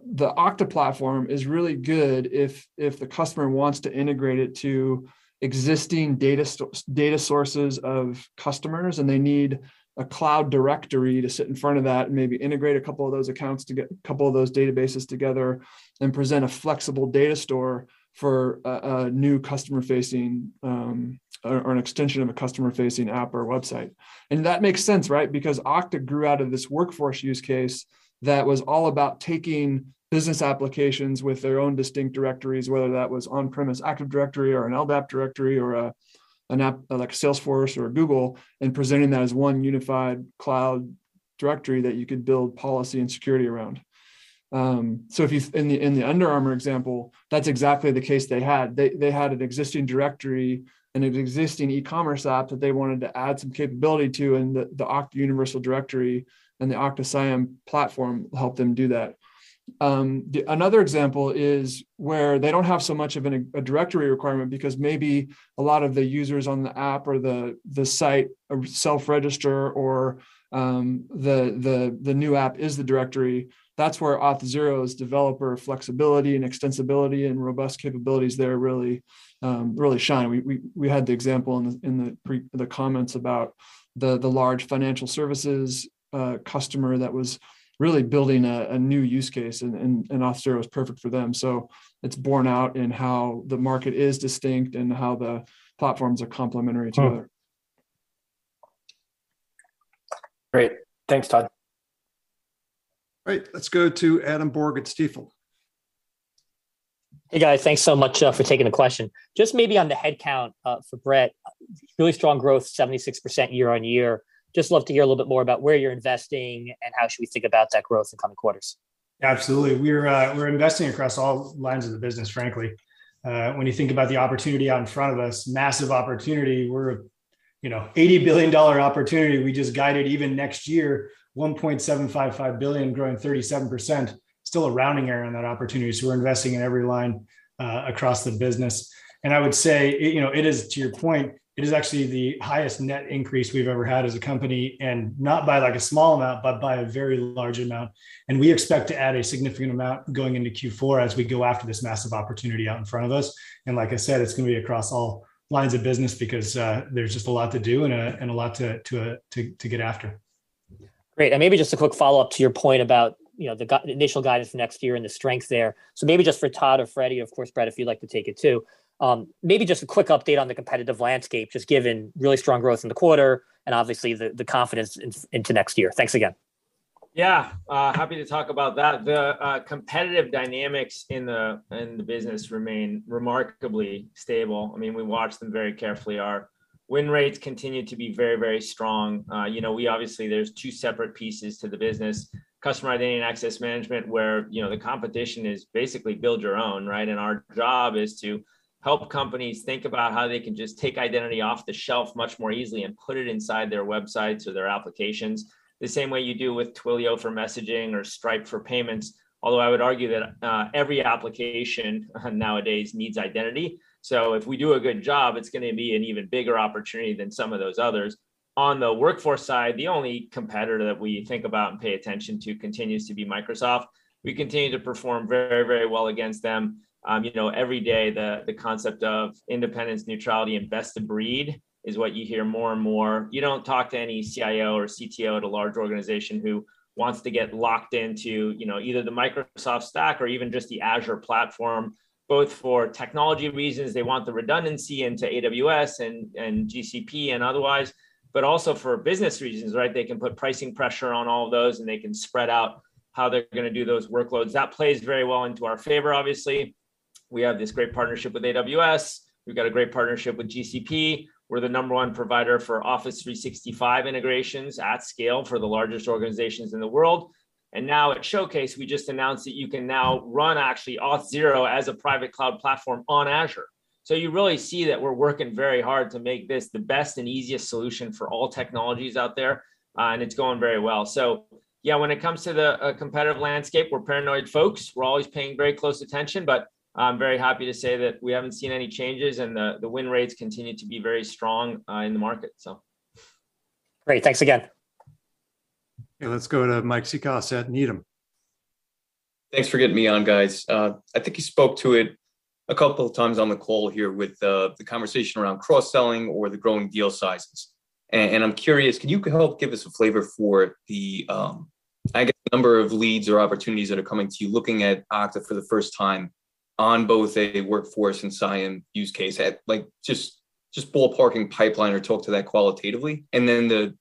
the Okta platform is really good if the customer wants to integrate it to existing data sources of customers, and they need a cloud directory to sit in front of that and maybe integrate a couple of those accounts to get a couple of those databases together and present a flexible data store for a new customer-facing or an extension of a customer-facing app or website. That makes sense, right? Because Okta grew out of this workforce use case that was all about taking business applications with their own distinct directories, whether that was on-premise Active Directory or an LDAP directory or an app like Salesforce or Google, and presenting that as one unified cloud directory that you could build policy and security around. In the Under Armour example, that's exactly the case they had. They had an existing directory and an existing e-commerce app that they wanted to add some capability to, and the Okta Universal Directory and the Okta CIAM platform helped them do that. Another example is where they don't have so much of a directory requirement because maybe a lot of the users on the app or the site self-register or the new app is the directory. That's where Auth0's developer flexibility and extensibility and robust capabilities there really shine. We had the example in the comments about the large financial services customer that was really building a new use case, and Auth0 was perfect for them. It's borne out in how the market is distinct and how the platforms are complementary to each other. Great. Thanks, Todd. All right. Let's go to Adam Borg at Stifel. Hey, guys. Thanks so much for taking the question. Just maybe on the headcount for Brett. Really strong growth, 76% year-over-year. Just love to hear a little bit more about where you're investing and how should we think about that growth in coming quarters. Absolutely. We're investing across all lines of the business, frankly. When you think about the opportunity out in front of us, massive opportunity, we're, you know, $80 billion opportunity. We just guided even next year, $1.755 billion, growing 37%. Still a rounding error on that opportunity, so we're investing in every line across the business. I would say, it is, to your point, actually the highest net increase we've ever had as a company, and not by, like, a small amount, but by a very large amount. We expect to add a significant amount going into Q4 as we go after this massive opportunity out in front of us. Like I said, it's gonna be across all lines of business because there's just a lot to do and a lot to get after. Great. Maybe just a quick follow-up to your point about, you know, the initial guidance for next year and the strength there. Maybe just for Todd or Freddy, of course, Brett, if you'd like to take it too, maybe just a quick update on the competitive landscape, just given really strong growth in the quarter and obviously the confidence in, into next year. Thanks again. Yeah, happy to talk about that. The competitive dynamics in the business remain remarkably stable. I mean, we watch them very carefully. Our win rates continue to be very, very strong. You know, we obviously, there's two separate pieces to the business, customer identity and access management, where, you know, the competition is basically build your own, right? Our job is to help companies think about how they can just take identity off the shelf much more easily and put it inside their websites or their applications, the same way you do with Twilio for messaging or Stripe for payments. Although, I would argue that every application nowadays needs identity. If we do a good job, it's gonna be an even bigger opportunity than some of those others. On the workforce side, the only competitor that we think about and pay attention to continues to be Microsoft. We continue to perform very, very well against them. You know, every day the concept of independence, neutrality, and best of breed is what you hear more and more. You don't talk to any CIO or CTO at a large organization who wants to get locked into, you know, either the Microsoft stack or even just the Azure platform, both for technology reasons, they want the redundancy into AWS and GCP and otherwise, but also for business reasons, right? They can put pricing pressure on all of those, and they can spread out how they're gonna do those workloads. That plays very well into our favor, obviously. We have this great partnership with AWS. We've got a great partnership with GCP. We're the number one provider for Office 365 integrations at scale for the largest organizations in the world. Now at Showcase, we just announced that you can now run actually Auth0 as a private cloud platform on Azure. You really see that we're working very hard to make this the best and easiest solution for all technologies out there, and it's going very well. Yeah, when it comes to the competitive landscape, we're paranoid folks. We're always paying very close attention, but I'm very happy to say that we haven't seen any changes and the win rates continue to be very strong in the market, so. Great. Thanks again. Okay, let's go to Mike Cikos at Needham. Thanks for getting me on, guys. I think you spoke to it a couple of times on the call here with the conversation around cross-selling or the growing deal sizes. And I'm curious, can you help give us a flavor for the, I guess, number of leads or opportunities that are coming to you looking at Okta for the first time on both a workforce and CIAM use case at, like, just ballparking pipeline or talk to that qualitatively? Then the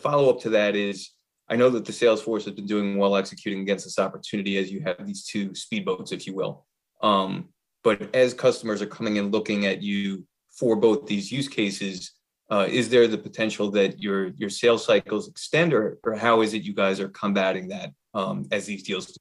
follow-up to that is, I know that the sales force has been doing well executing against this opportunity as you have these two speedboats, if you will. As customers are coming and looking at you for both these use cases, is there the potential that your sales cycles extend, or how is it you guys are combating that, as these deals?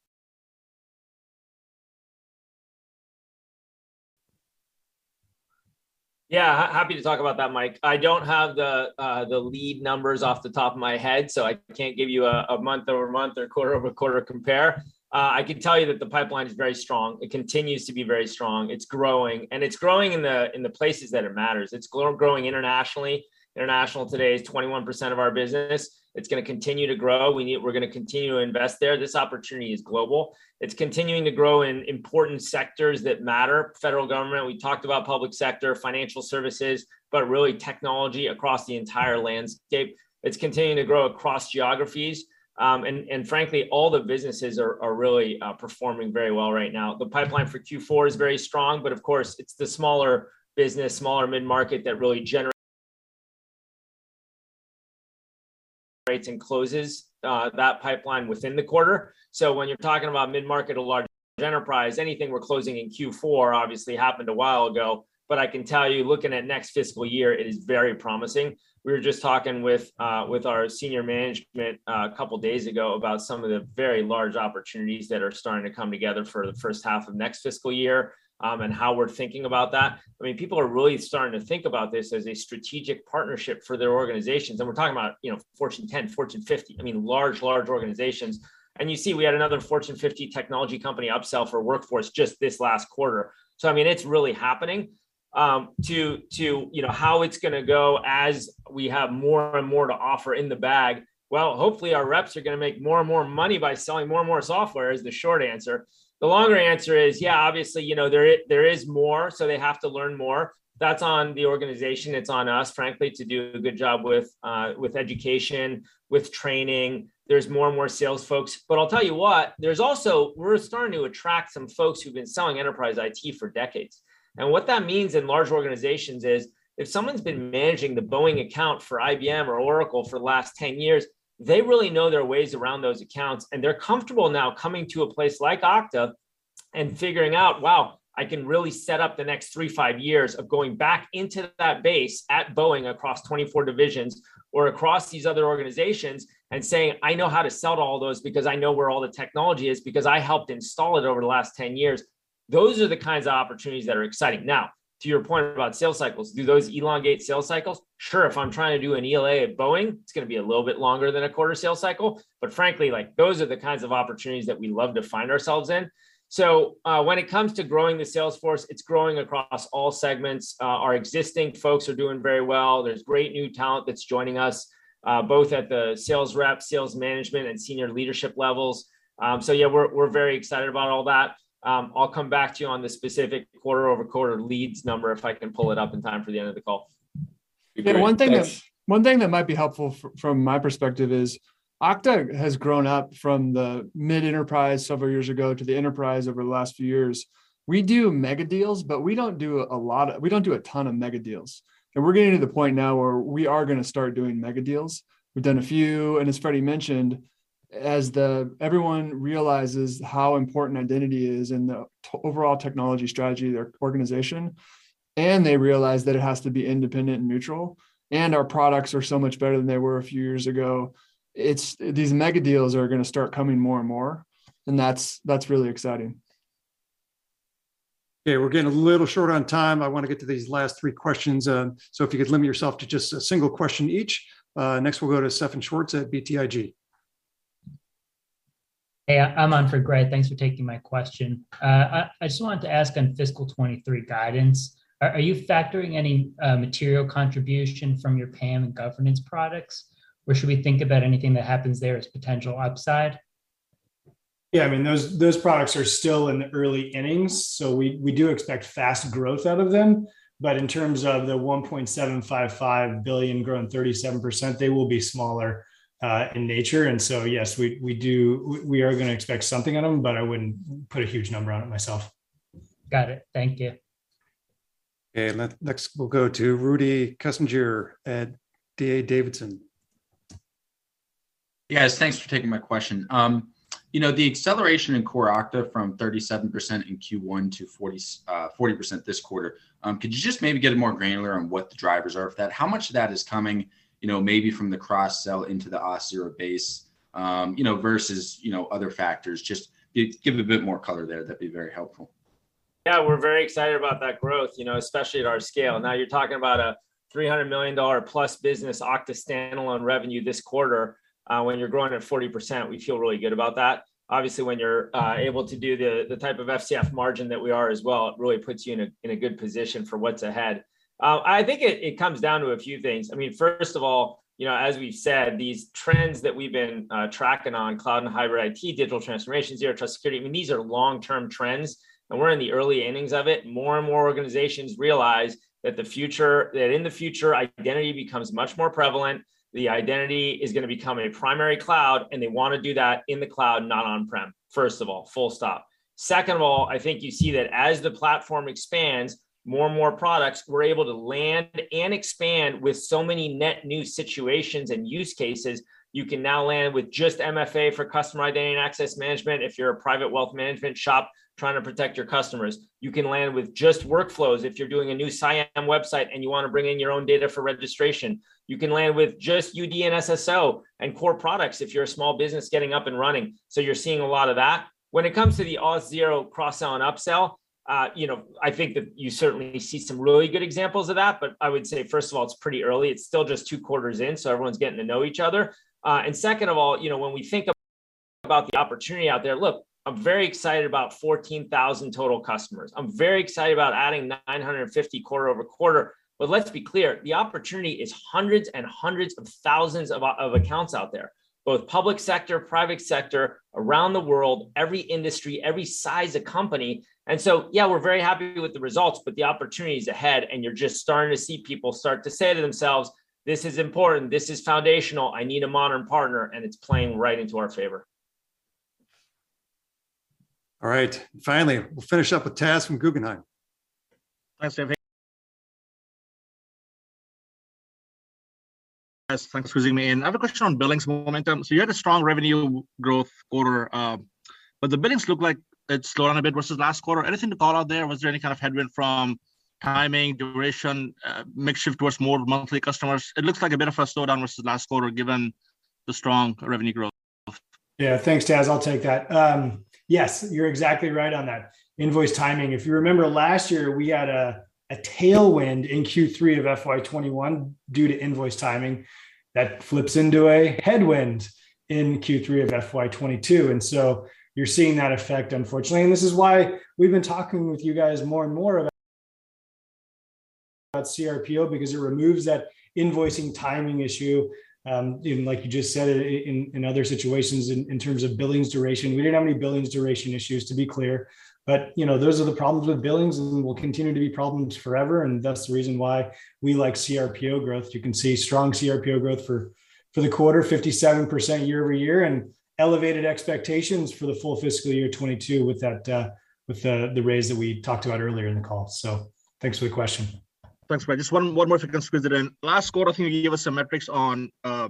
Yeah, happy to talk about that, Mike. I don't have the lead numbers off the top of my head, so I can't give you a month-over-month or quarter-over-quarter compare. I can tell you that the pipeline is very strong. It continues to be very strong. It's growing, and it's growing in the places that it matters. It's growing internationally. International today is 21% of our business. It's gonna continue to grow. We're gonna continue to invest there. This opportunity is global. It's continuing to grow in important sectors that matter. Federal government, we talked about public sector, financial services, but really technology across the entire landscape. It's continuing to grow across geographies. And frankly, all the businesses are really performing very well right now. The pipeline for Q4 is very strong, but of course, it's the smaller business, smaller mid-market that really generates and closes that pipeline within the quarter. When you're talking about mid-market or large enterprise, anything we're closing in Q4 obviously happened a while ago. I can tell you, looking at next fiscal year, it is very promising. We were just talking with our senior management a couple days ago about some of the very large opportunities that are starting to come together for the first half of next fiscal year, and how we're thinking about that. I mean, people are really starting to think about this as a strategic partnership for their organizations, and we're talking about, you know, Fortune 10, Fortune 50, I mean, large organizations. You see we had another Fortune 50 technology company upsell for Workforce just this last quarter. I mean, it's really happening. You know how it's gonna go as we have more and more to offer in the bag. Well, hopefully, our reps are gonna make more and more money by selling more and more software is the short answer. The longer answer is, yeah, obviously, you know, there is more, so they have to learn more. That's on the organization. It's on us, frankly, to do a good job with education, with training. There's more and more sales folks. I'll tell you what, there's also we're starting to attract some folks who've been selling enterprise IT for decades. What that means in large organizations is, if someone's been managing the Boeing account for IBM or Oracle for the last 10 years, they really know their ways around those accounts, and they're comfortable now coming to a place like Okta. And figuring out, wow, I can really set up the next 3 to 5 years of going back into that base at Boeing across 24 divisions or across these other organizations, and saying, "I know how to sell to all those because I know where all the technology is, because I helped install it over the last 10 years." Those are the kinds of opportunities that are exciting. Now, to your point about sales cycles, do those elongate sales cycles? Sure. If I'm trying to do an ELA at Boeing, it's gonna be a little bit longer than a quarter sales cycle. Frankly, like, those are the kinds of opportunities that we love to find ourselves in. When it comes to growing the sales force, it's growing across all segments. Our existing folks are doing very well. There's great new talent that's joining us, both at the sales rep, sales management, and senior leadership levels. Yeah, we're very excited about all that. I'll come back to you on the specific quarter-over-quarter leads number if I can pull it up in time for the end of the call. Be great, thanks. One thing that might be helpful from my perspective is Okta has grown up from the mid-enterprise several years ago to the enterprise over the last few years. We do mega deals, but we don't do a lot. We don't do a ton of mega deals. We're getting to the point now where we are gonna start doing mega deals. We've done a few, and as Fred mentioned, as everyone realizes how important identity is in the overall technology strategy of their organization, and they realize that it has to be independent and neutral, and our products are so much better than they were a few years ago, it's these mega deals are gonna start coming more and more, and that's really exciting. Okay, we're getting a little short on time. I wanna get to these last three questions. If you could limit yourself to just a single question each. Next we'll go to Stefan Schwarz at BTIG. Hey, I'm on for Gray. Thanks for taking my question. I just wanted to ask on fiscal 2023 guidance, are you factoring any material contribution from your PAM and governance products, or should we think about anything that happens there as potential upside? Yeah. I mean, those products are still in the early innings, so we do expect fast growth out of them. But in terms of the $1.755 billion growing 37%, they will be smaller in nature. Yes, we are gonna expect something out of them, but I wouldn't put a huge number on it myself. Got it. Thank you. Okay. Next we'll go to Rudy Kessinger at D.A. Davidson. Yes. Thanks for taking my question. The acceleration in core Okta from 37% in Q1 to 40% this quarter, could you just maybe get more granular on what the drivers are of that? How much of that is coming maybe from the cross-sell into the Auth0 base versus other factors? Just give a bit more color there. That'd be very helpful. Yeah. We're very excited about that growth, you know, especially at our scale. Now, you're talking about a $300 million-plus business Okta standalone revenue this quarter. When you're growing at 40%, we feel really good about that. Obviously, when you're able to do the type of FCF margin that we are as well, it really puts you in a good position for what's ahead. I think it comes down to a few things. I mean, first of all, you know, as we've said, these trends that we've been tracking on cloud and hybrid IT, digital transformation, zero trust security, I mean, these are long-term trends and we're in the early innings of it. More and more organizations realize that in the future, identity becomes much more prevalent. The identity is gonna become a primary cloud, and they wanna do that in the cloud, not on-prem, first of all. Full stop. Second of all, I think you see that as the platform expands, more and more products we're able to land and expand with so many net new situations and use cases. You can now land with just MFA for customer identity and access management if you're a private wealth management shop trying to protect your customers. You can land with just workflows if you're doing a new CIAM website and you wanna bring in your own data for registration. You can land with just UD and SSO and core products if you're a small business getting up and running. You're seeing a lot of that. When it comes to the Auth0 cross-sell and upsell, you know, I think that you certainly see some really good examples of that. But I would say, first of all, it's pretty early, it's still just two quarters in, so everyone's getting to know each other. And second of all, you know, when we think about the opportunity out there, look, I'm very excited about 14,000 total customers. I'm very excited about adding 950 quarter-over-quarter. But let's be clear, the opportunity is hundreds and hundreds of thousands of accounts out there, both public sector, private sector, around the world, every industry, every size of company. Yeah, we're very happy with the results, but the opportunity's ahead and you're just starting to see people start to say to themselves, "This is important. This is foundational. I need a modern partner," and it's playing right into our favor. All right. Finally, we'll finish up with Taz from Guggenheim. Thanks, Dave. Thanks for squeezing me in. I have a question on billings momentum. You had a strong revenue growth quarter, but the billings look like it's slowed down a bit versus last quarter. Anything to call out there? Was there any kind of headwind from timing, duration, mix shift towards more monthly customers? It looks like a bit of a slowdown versus last quarter given the strong revenue growth. Yeah. Thanks, Taz. I'll take that. Yes, you're exactly right on that. Invoice timing. If you remember last year we had a tailwind in Q3 of FY 2021 due to invoice timing that flips into a headwind in Q3 of FY 2022. You're seeing that effect, unfortunately. This is why we've been talking with you guys more and more about CRPO because it removes that invoicing timing issue, even like you just said it, in other situations in terms of billings duration. We didn't have any billings duration issues, to be clear, but you know, those are the problems with billings and will continue to be problems forever, and thus the reason why we like CRPO growth. You can see strong CRPO growth for the quarter, 57% year-over-year, and elevated expectations for the full fiscal year 2022 with the raise that we talked about earlier in the call. Thanks for the question. Thanks, Brett. Just one more if you can squeeze it in. Last quarter, I think you gave us some metrics on Auth0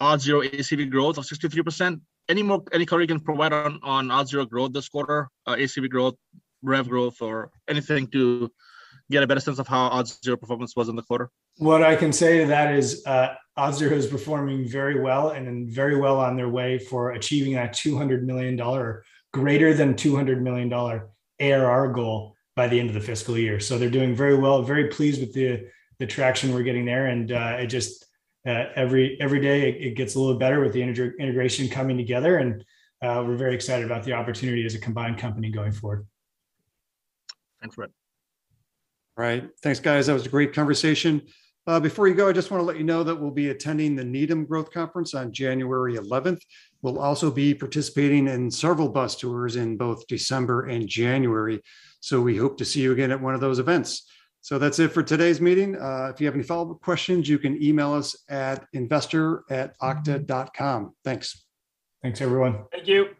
ACV growth of 63%. Any more, any color you can provide on Auth0 growth this quarter, ACV growth, rev growth, or anything to get a better sense of how Auth0 performance was in the quarter? What I can say to that is, Auth0 is performing very well on their way for achieving that $200 million, greater than $200 million ARR goal by the end of the fiscal year. They're doing very well. Very pleased with the traction we're getting there and it just every day it gets a little better with the integration coming together and we're very excited about the opportunity as a combined company going forward. Thanks, Brett. All right. Thanks, guys. That was a great conversation. Before you go, I just wanna let you know that we'll be attending the Needham Growth Conference on January 11th. We'll also be participating in several bus tours in both December and January. We hope to see you again at one of those events. That's it for today's meeting. If you have any follow-up questions, you can email us at investor@okta.com. Thanks. Thanks, everyone. Thank you.